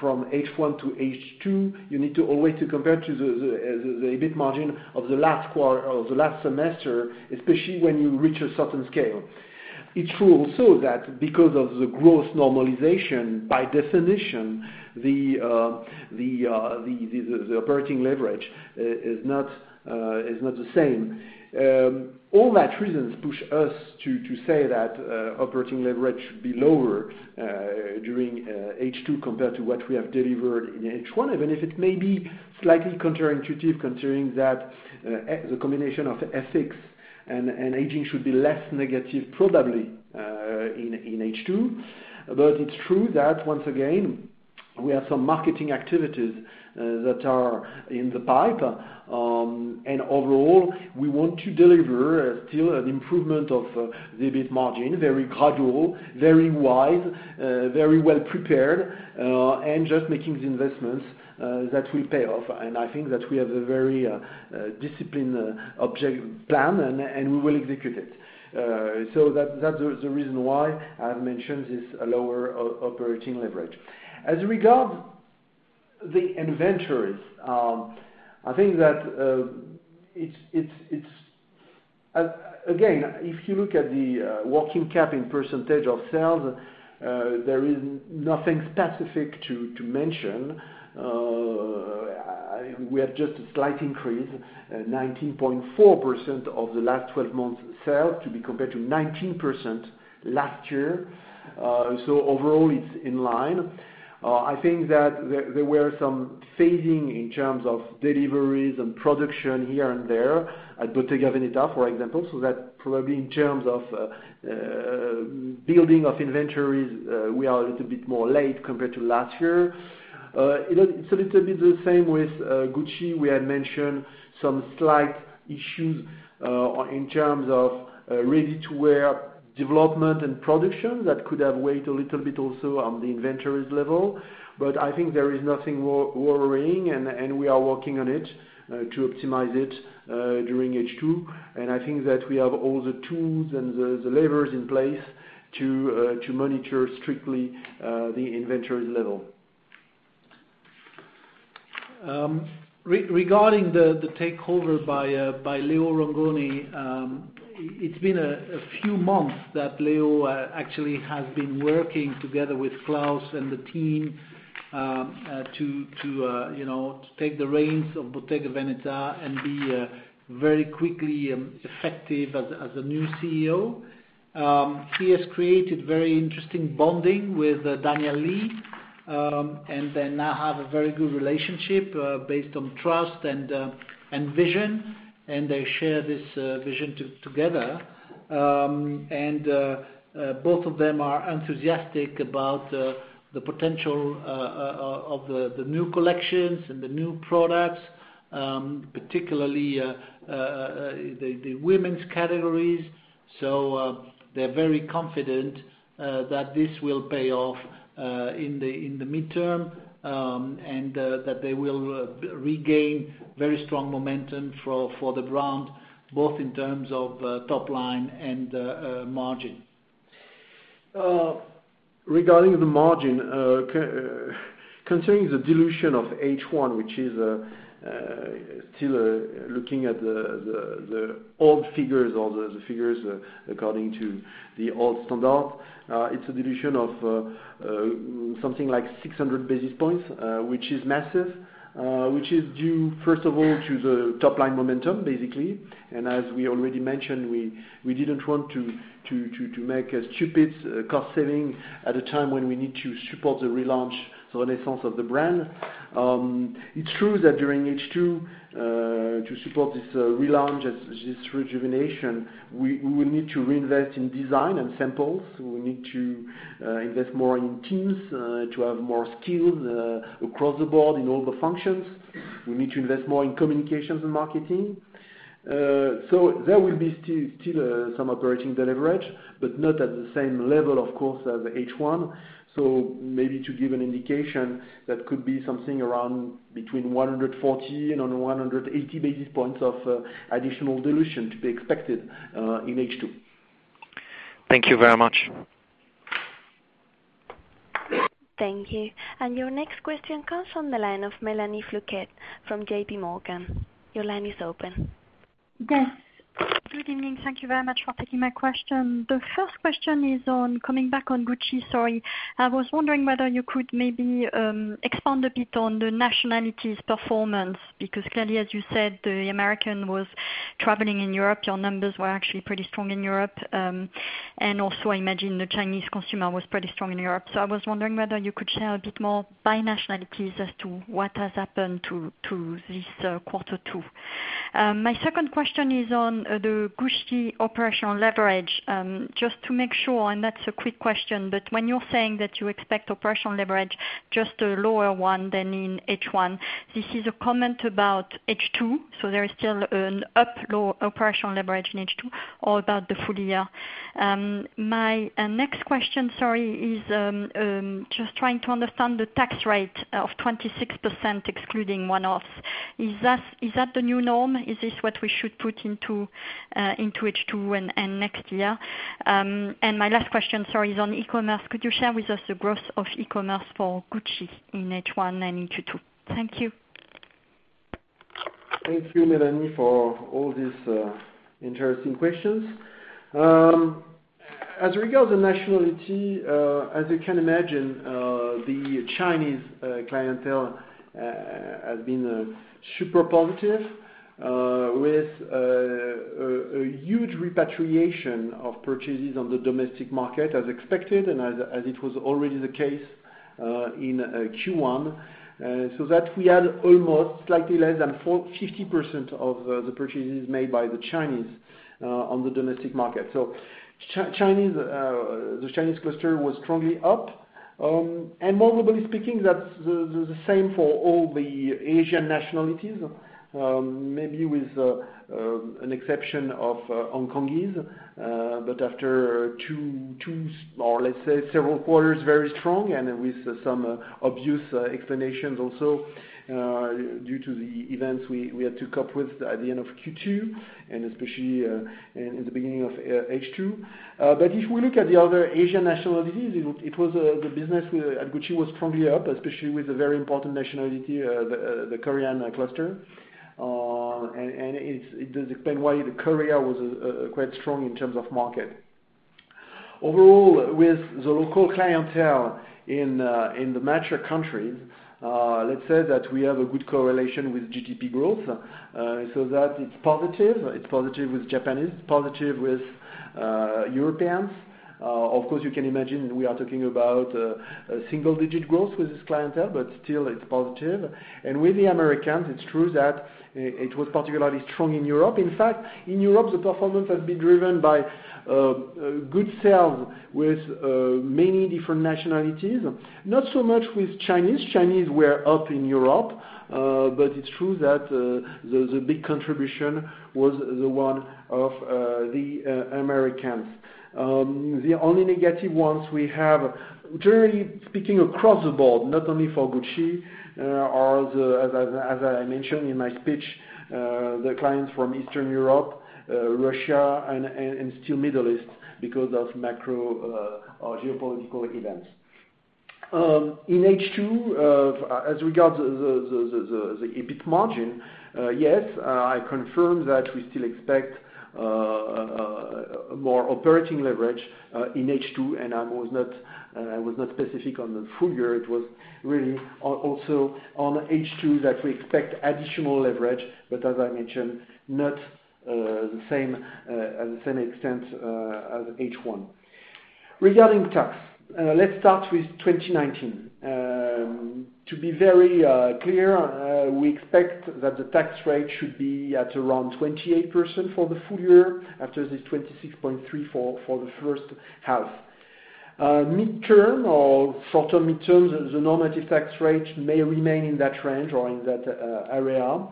from H1 to H2. You need always to compare to the EBIT margin of the last semester, especially when you reach a certain scale. It's true also that because of the growth normalization, by definition, the operating leverage is not the same. All that reasons push us to say that operating leverage should be lower during H2 compared to what we have delivered in H1, even if it may be slightly counterintuitive, considering that the combination of FX and aging should be less negative, probably, in H2. It's true that, once again, we have some marketing activities that are in the pipe. Overall, we want to deliver still an improvement of the EBIT margin, very gradual, very wide, very well-prepared, and just making the investments that will pay off. I think that we have a very disciplined plan, and we will execute it. That's the reason why I've mentioned this lower operating leverage. As regard the inventories. Again, if you look at the working cap in percentage of sales, there is nothing specific to mention. We have just a slight increase, 19.4% of the last 12 months sale to be compared to 19% last year. Overall, it's in line. I think that there were some phasing in terms of deliveries and production here and there, at Bottega Veneta, for example. That probably in terms of building of inventories, we are a little bit more late compared to last year. It's a little bit the same with Gucci. We had mentioned some slight issues in terms of ready-to-wear development and production that could have weighed a little bit also on the inventories level. I think there is nothing worrying, and we are working on it to optimize it during H2. I think that we have all the tools and the levers in place to monitor strictly the inventories level. Regarding the takeover by Leo Rongone, it's been a few months that Leo actually has been working together with Claus and the team to take the reins of Bottega Veneta and be very quickly effective as a new CEO. He has created very interesting bonding with Daniel Lee, and they now have a very good relationship based on trust and vision, and they share this vision together. Both of them are enthusiastic about the potential of the new collections and the new products, particularly the women's categories. They're very confident that this will pay off in the midterm, and that they will regain very strong momentum for the brand, both in terms of top line and margin. Regarding the margin, considering the dilution of H1, which is still looking at the old figures or the figures according to the old standard. It's a dilution of something like 600 basis points, which is massive, which is due, first of all, to the top-line momentum, basically. As we already mentioned, we didn't want to make a stupid cost saving at a time when we need to support the relaunch, the renaissance of the brand. It's true that during H2, to support this relaunch, this rejuvenation, we will need to reinvest in design and samples. We need to invest more in teams to have more skills across the board in all the functions. We need to invest more in communications and marketing. There will be still some operating leverage, but not at the same level, of course, as H1. Maybe to give an indication, that could be something around between 140 and 180 basis points of additional dilution to be expected in H2. Thank you very much. Thank you. Your next question comes from the line of Mélanie Flouquet from JP Morgan. Your line is open. Yes. Good evening. Thank you very much for taking my question. The first question is on coming back on Gucci, sorry. I was wondering whether you could maybe expand a bit on the nationalities performance, because clearly, as you said, the American was traveling in Europe. Your numbers were actually pretty strong in Europe. Also, I imagine the Chinese consumer was pretty strong in Europe. I was wondering whether you could share a bit more by nationalities as to what has happened to this quarter two. My second question is on the Gucci operational leverage. Just to make sure, and that's a quick question, but when you're saying that you expect operational leverage, just a lower one than in H1, this is a comment about H2, so there is still an upper operational leverage in H2 or about the full year? My next question, sorry, is just trying to understand the tax rate of 26%, excluding one-offs. Is that the new norm? Is this what we should put into H2 and next year? My last question, sorry, is on e-commerce. Could you share with us the growth of e-commerce for Gucci in H1 and H2? Thank you. Thank you, Mélanie, for all these interesting questions. As regard the nationality, as you can imagine, the Chinese clientele has been super positive, with a huge repatriation of purchases on the domestic market as expected and as it was already the case in Q1. We had almost slightly less than 50% of the purchases made by the Chinese on the domestic market. The Chinese cluster was strongly up. More globally speaking, that's the same for all the Asian nationalities, maybe with an exception of Hong Kongese. After two, or let's say several quarters, very strong and with some obvious explanations also, due to the events we had to cope with at the end of Q2, and especially in the beginning of H2. If we look at the other Asian nationalities, the business at Gucci was strongly up, especially with a very important nationality, the Korean cluster. It does explain why Korea was quite strong in terms of market. Overall, with the local clientele in the mature countries, let's say that we have a good correlation with GDP growth, so that it's positive. It's positive with Japanese, it's positive with Europeans. Of course, you can imagine we are talking about single-digit growth with this clientele, but still it's positive. With the Americans, it's true that it was particularly strong in Europe. In fact, in Europe, the performance has been driven by good sales with many different nationalities. Not so much with Chinese. Chinese were up in Europe. It's true that the big contribution was the one of the Americans. The only negative ones we have, generally speaking, across the board, not only for Gucci are, as I mentioned in my speech, the clients from Eastern Europe, Russia, and still Middle East because of macro geopolitical events. In H2, as regard the EBIT margin, yes, I confirm that we still expect more operating leverage in H2. I was not specific on the full year. It was really also on H2 that we expect additional leverage, but as I mentioned, not at the same extent as H1. Regarding tax, let's start with 2019. To be very clear, we expect that the tax rate should be at around 28% for the full year after this 26.34 for the first half. Midterm or short-term midterm, the normative tax rate may remain in that range or in that area.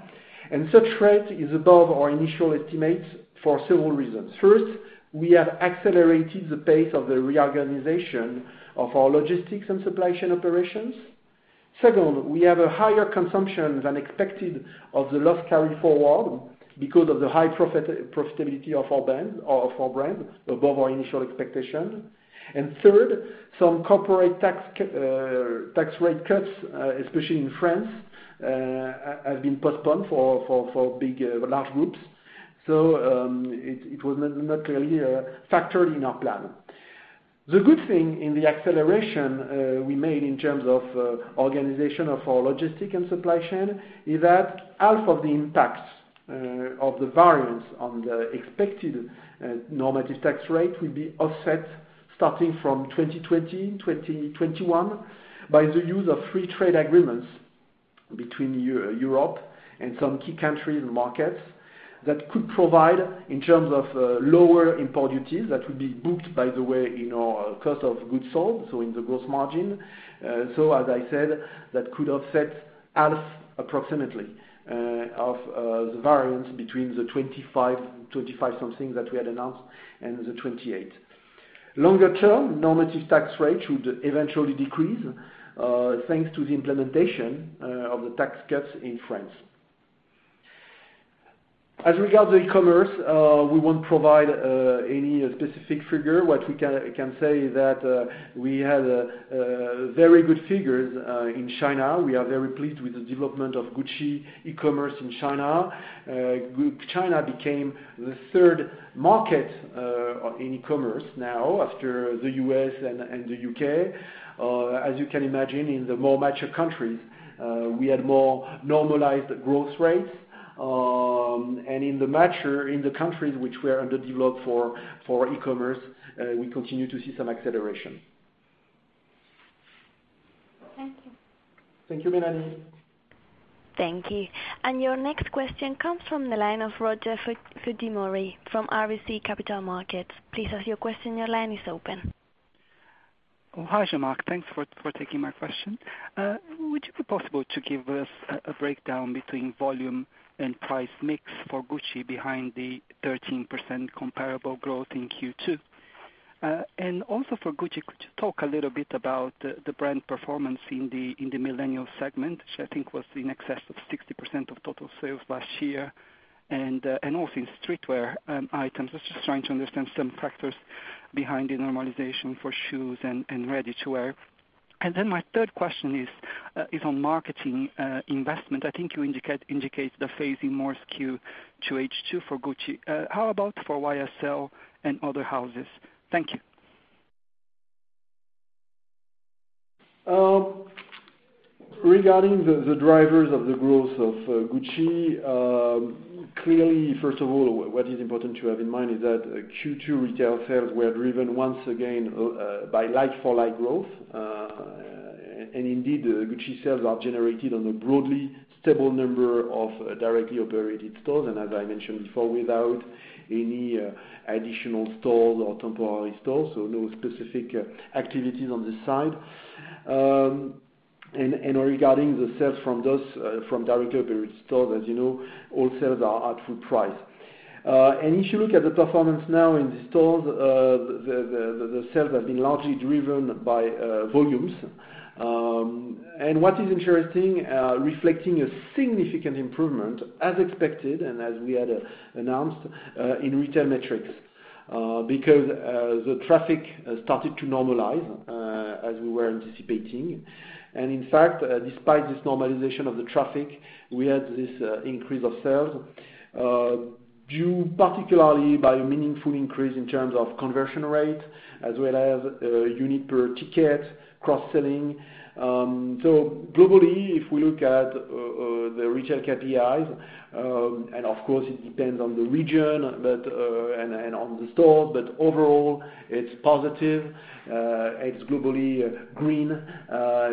Such rate is above our initial estimates for several reasons. First, we have accelerated the pace of the reorganization of our logistics and supply chain operations. Second, we have a higher consumption than expected of the loss carry-forward because of the high profitability of our brand above our initial expectation. Third, some corporate tax rate cuts, especially in France, have been postponed for large groups. It was not clearly factored in our plan. The good thing in the acceleration we made in terms of organization of our logistic and supply chain is that half of the impact of the variance on the expected normative tax rate will be offset starting from 2020, 2021, by the use of free trade agreements between Europe and some key countries and markets that could provide in terms of lower import duties that would be booked, by the way, in our cost of goods sold, so in the gross margin. As I said, that could offset half approximately of the variance between the 25% something that we had announced and the 28%. Longer term, normative tax rate should eventually decrease, thanks to the implementation of the tax cuts in France. As regards the e-commerce, we won't provide any specific figure. What we can say is that we had very good figures in China. We are very pleased with the development of Gucci e-commerce in China. China became the third market in e-commerce now after the U.S. and the U.K. As you can imagine, in the more mature countries, we had more normalized growth rates. In the countries which were underdeveloped for e-commerce, we continue to see some acceleration. Thank you. Thank you, Mélanie. Thank you. Your next question comes from the line of Rogerio Fujimori from RBC Capital Markets. Please ask your question, your line is open. Hi, Jean-Marc. Thanks for taking my question. Would it be possible to give us a breakdown between volume and price mix for Gucci behind the 13% comparable growth in Q2? Also for Gucci, could you talk a little bit about the brand performance in the millennial segment, which I think was in excess of 60% of total sales last year, and also in streetwear items? I was just trying to understand some factors behind the normalization for shoes and ready-to-wear. My third question is on marketing investment. I think you indicate the phasing more skew to H2 for Gucci. How about for YSL and other houses? Thank you. Regarding the drivers of the growth of Gucci, clearly, first of all, what is important to have in mind is that Q2 retail sales were driven once again by like-for-like growth. Gucci sales are generated on a broadly stable number of directly operated stores, and as I mentioned before, without any additional stores or temporary stores, so no specific activities on this side. Regarding the sales from directly operated stores, as you know, all sales are at full price. If you look at the performance now in the stores, the sales have been largely driven by volumes. What is interesting, reflecting a significant improvement, as expected and as we had announced, in retail metrics because the traffic started to normalize as we were anticipating. In fact, despite this normalization of the traffic, we had this increase of sales due particularly by a meaningful increase in terms of conversion rate as well as unit per ticket, cross-selling. Globally, if we look at the retail KPIs, and of course it depends on the region and on the store, but overall, it's positive. It's globally green.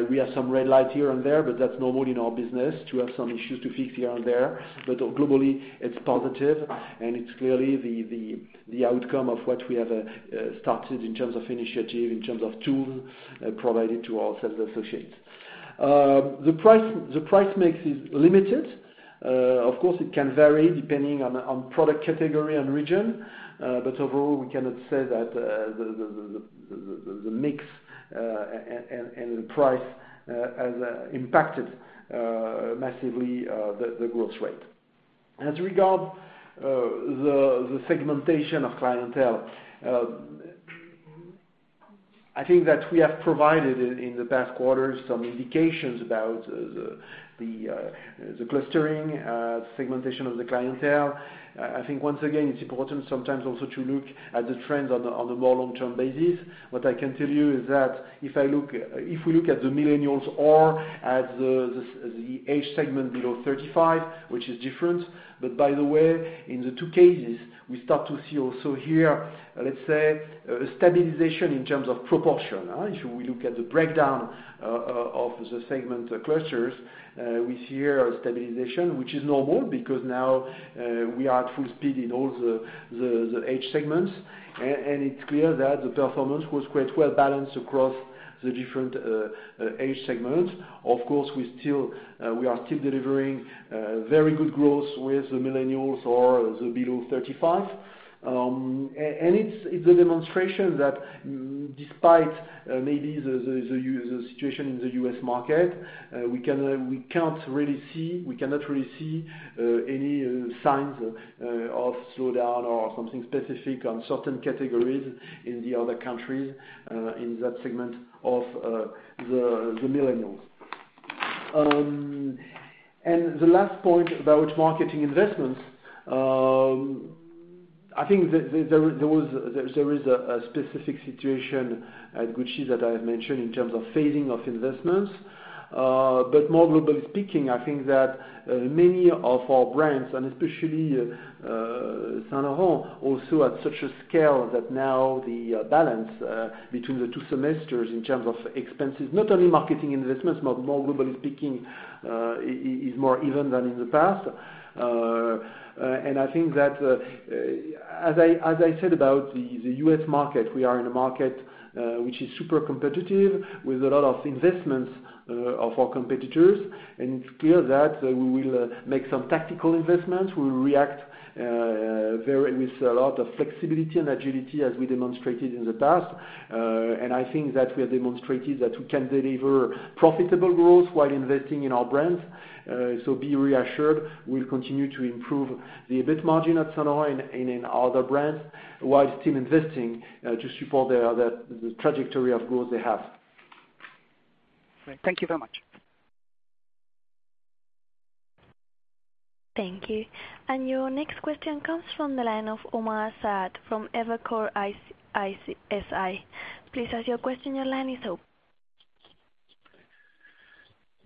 We have some red lights here and there, but that's normal in our business to have some issues to fix here and there. Globally, it's positive, and it's clearly the outcome of what we have started in terms of initiative, in terms of tools provided to our sales associates. The price mix is limited. Of course, it can vary depending on product category and region. Overall, we cannot say that the mix and the price has impacted massively the growth rate. As regards the segmentation of clientele, I think that we have provided in the past quarters some indications about the clustering, segmentation of the clientele. I think, once again, it's important sometimes also to look at the trends on the more long-term basis. What I can tell you is that if we look at the millennials or at the age segment below 35, which is different, but by the way, in the two cases, we start to see also here, let's say, a stabilization in terms of proportion. If we look at the breakdown of the segment clusters, we see a stabilization, which is normal because now we are at full speed in all the age segments. It's clear that the performance was quite well-balanced across the different age segments. Of course, we are still delivering very good growth with the millennials or the below 35. It's a demonstration thatDespite maybe the situation in the U.S. market, we cannot really see any signs of slowdown or something specific on certain categories in the other countries, in that segment of the millennials. The last point about marketing investments. I think there is a specific situation at Gucci that I have mentioned in terms of phasing of investments. More globally speaking, I think that many of our brands, and especially Saint Laurent, also at such a scale that now the balance between the two semesters in terms of expenses, not only marketing investments, more globally speaking, is more even than in the past. I think that, as I said about the U.S. market, we are in a market which is super competitive with a lot of investments of our competitors. It's clear that we will make some tactical investments. We will react with a lot of flexibility and agility, as we demonstrated in the past. I think that we have demonstrated that we can deliver profitable growth while investing in our brands. Be reassured, we'll continue to improve the EBIT margin at Saint Laurent and in other brands while still investing to support the trajectory of growth they have. Great. Thank you very much. Thank you. Your next question comes from the line of Omar Saad from Evercore ISI. Please ask your question. Your line is open.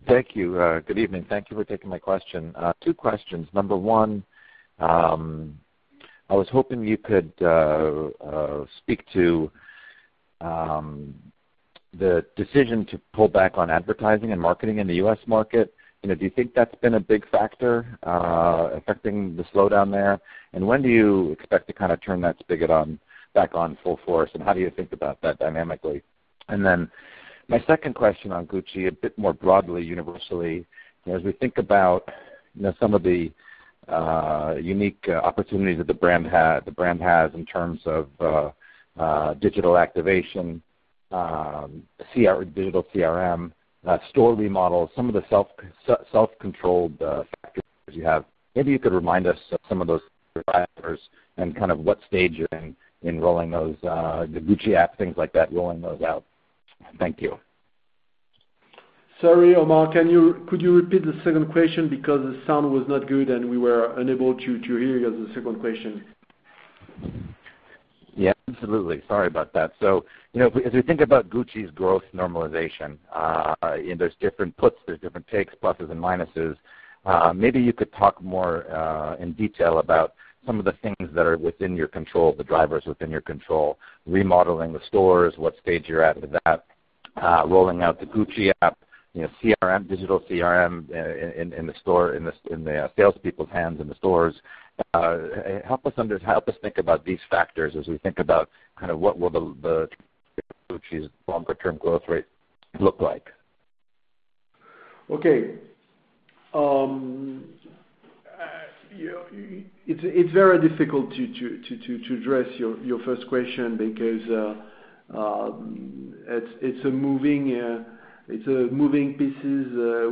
Thank you. Good evening. Thank you for taking my question. Two questions. Number one, I was hoping you could speak to the decision to pull back on advertising and marketing in the U.S. market. Do you think that's been a big factor affecting the slowdown there? When do you expect to turn that spigot back on full force? How do you think about that dynamically? My second question on Gucci, a bit more broadly, universally, as we think about some of the unique opportunities that the brand has in terms of digital activation, digital CRM, store remodels, some of the self-controlled factors you have. Maybe you could remind us of some of those factors and what stage you're in rolling those, the Gucci app, things like that, rolling those out. Thank you. Sorry, Omar, could you repeat the second question because the sound was not good, and we were unable to hear your second question. Yeah, absolutely. Sorry about that. As we think about Gucci's growth normalization, there's different puts, there's different takes, pluses and minuses. Maybe you could talk more in detail about some of the things that are within your control, the drivers within your control, remodeling the stores, what stage you're at with that, rolling out the Gucci app, digital CRM in the salespeople's hands in the stores. Help us think about these factors as we think about what will the Gucci's longer-term growth rate look like. Okay. It's very difficult to address your first question because we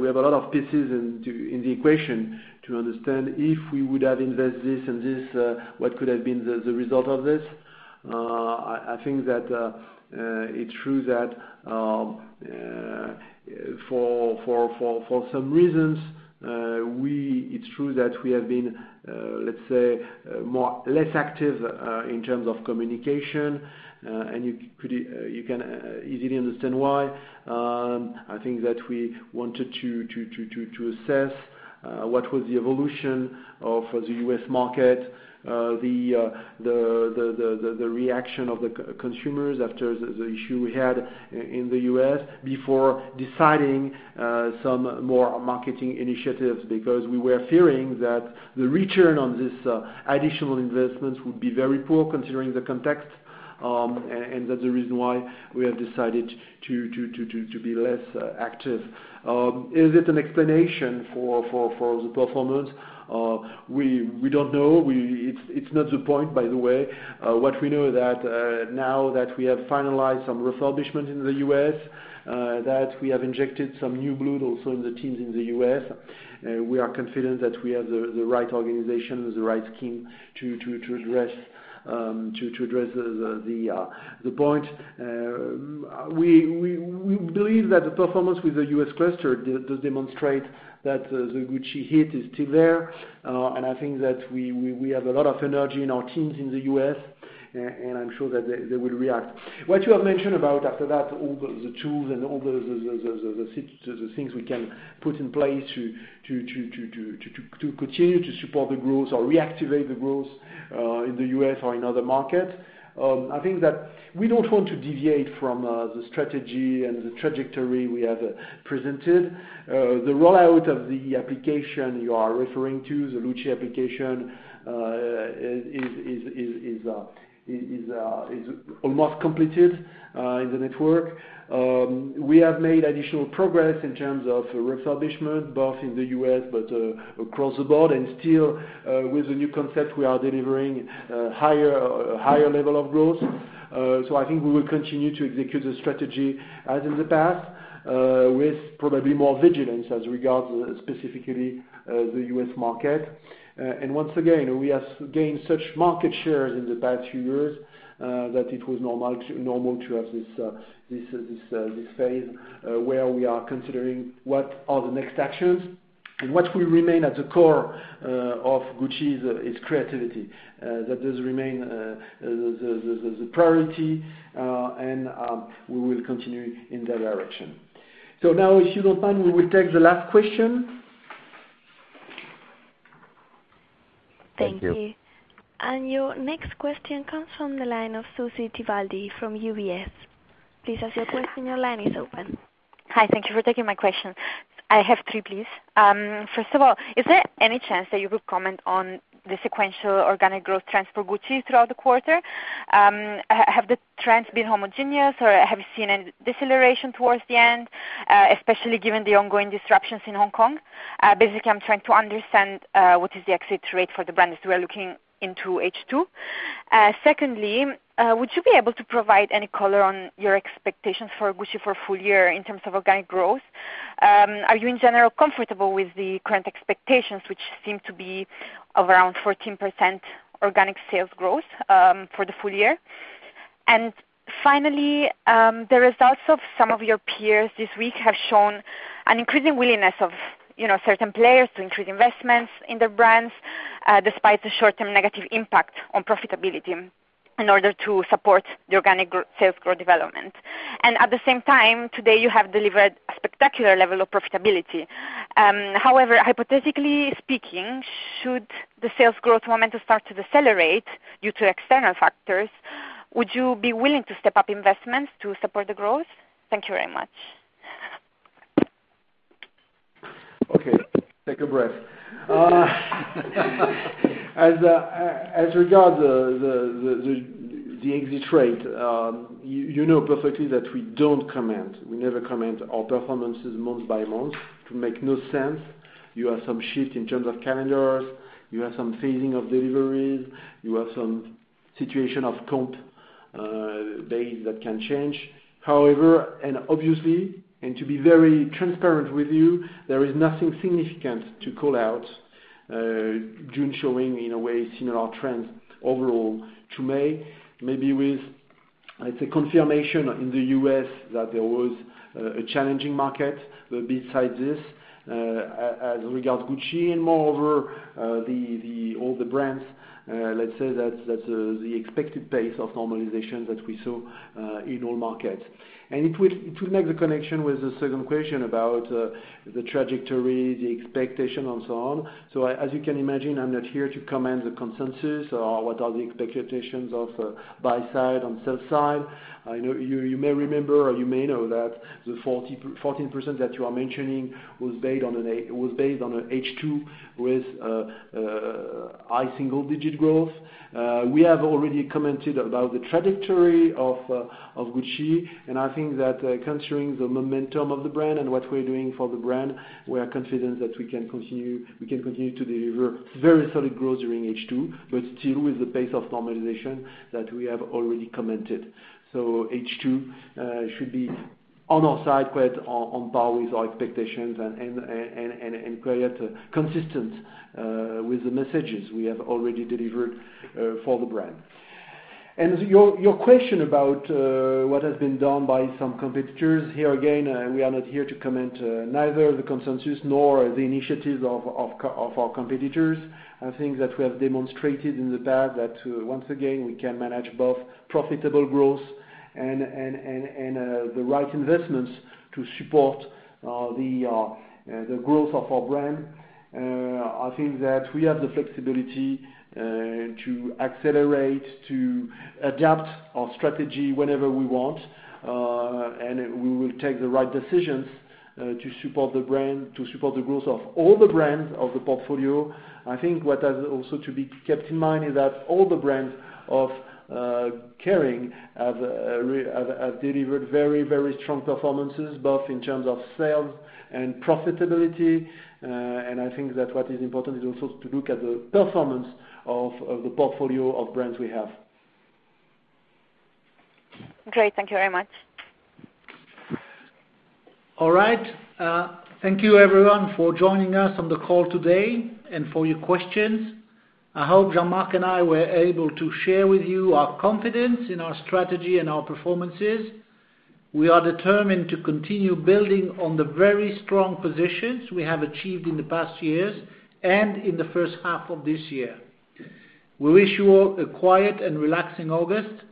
have a lot of pieces in the equation to understand if we would have invested this and this, what could have been the result of this. I think that it's true that for some reasons, it's true that we have been, let's say, less active in terms of communication, and you can easily understand why. I think that we wanted to assess what was the evolution of the U.S. market, the reaction of the consumers after the issue we had in the U.S. before deciding some more marketing initiatives, because we were fearing that the return on this additional investment would be very poor considering the context. That's the reason why we have decided to be less active. Is it an explanation for the performance? We don't know. It's not the point, by the way. What we know that now that we have finalized some refurbishment in the U.S., that we have injected some new blood also in the teams in the U.S., we are confident that we have the right organization, the right scheme to address the point. We believe that the performance with the U.S. cluster does demonstrate that the Gucci hit is still there. I think that we have a lot of energy in our teams in the U.S., and I'm sure that they will react. What you have mentioned about after that, all the tools and all the things we can put in place to continue to support the growth or reactivate the growth in the U.S. or in other markets. I think that we don't want to deviate from the strategy and the trajectory we have presented. The rollout of the application you are referring to, the Gucci application, is almost completed in the network. We have made additional progress in terms of refurbishment, both in the U.S., but across the board, and still with the new concept, we are delivering higher level of growth. I think we will continue to execute the strategy as in the past with probably more vigilance as regards specifically the U.S. market. Once again, we have gained such market shares in the past few years, that it was normal to have this phase where we are considering what are the next actions. What will remain at the core of Gucci is its creativity. That does remain the priority, and we will continue in that direction. Now, if you don't mind, we will take the last question. Thank you. Thank you. Your next question comes from the line of Susy Tibaldi from UBS. Please ask your question. Your line is open. Hi. Thank you for taking my question. I have three, please. First of all, is there any chance that you could comment on the sequential organic growth trends for Gucci throughout the quarter? Have the trends been homogeneous, or have you seen any deceleration towards the end, especially given the ongoing disruptions in Hong Kong? Basically, I'm trying to understand, what is the exit rate for the brands as we're looking into H2. Secondly, would you be able to provide any color on your expectations for Gucci for full-year in terms of organic growth? Are you in general comfortable with the current expectations, which seem to be around 14% organic sales growth for the full year? Finally, the results of some of your peers this week have shown an increasing willingness of certain players to increase investments in their brands, despite the short-term negative impact on profitability in order to support the organic sales growth development. At the same time, today, you have delivered a spectacular level of profitability. However, hypothetically speaking, should the sales growth momentum start to decelerate due to external factors, would you be willing to step up investments to support the growth? Thank you very much. Okay. Take a breath. As regard the exit rate, you know perfectly that we don't comment. We never comment our performances month by month. It makes no sense. You have some shift in terms of calendars, you have some phasing of deliveries. You have some situation of comp base that can change. Obviously, and to be very transparent with you, there is nothing significant to call out. June showing in a way similar trends overall to May, maybe with, I'd say, confirmation in the U.S. that there was a challenging market. Besides this, as regard Gucci and moreover, all the brands, let's say that the expected pace of normalization that we saw in all markets. It would make the connection with the second question about the trajectory, the expectation and so on. As you can imagine, I'm not here to comment the consensus or what are the expectations of buy side and sell side. You may remember, or you may know that the 14% that you are mentioning was based on H2 with high single-digit growth. We have already commented about the trajectory of Gucci, and I think that considering the momentum of the brand and what we're doing for the brand, we are confident that we can continue to deliver very solid growth during H2, but still with the pace of normalization that we have already commented. H2 should be on our side, quite on par with our expectations and quite consistent with the messages we have already delivered for the brand. Your question about what has been done by some competitors. Here again, we are not here to comment neither the consensus nor the initiatives of our competitors. I think that we have demonstrated in the past that once again, we can manage both profitable growth and the right investments to support the growth of our brand. I think that we have the flexibility to accelerate, to adapt our strategy whenever we want. We will take the right decisions to support the growth of all the brands of the portfolio. I think what has also to be kept in mind is that all the brands of Kering have delivered very, very strong performances, both in terms of sales and profitability. I think that what is important is also to look at the performance of the portfolio of brands we have. Great. Thank you very much. All right. Thank you everyone for joining us on the call today and for your questions. I hope Jean-Marc and I were able to share with you our confidence in our strategy and our performances. We are determined to continue building on the very strong positions we have achieved in the past years and in the first half of this year. We wish you all a quiet and relaxing August.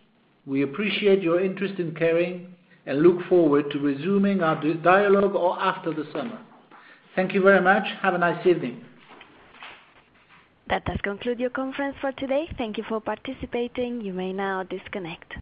We appreciate your interest in Kering and look forward to resuming our dialogue after the summer. Thank you very much. Have a nice evening. That does conclude your conference for today. Thank you for participating. You may now disconnect.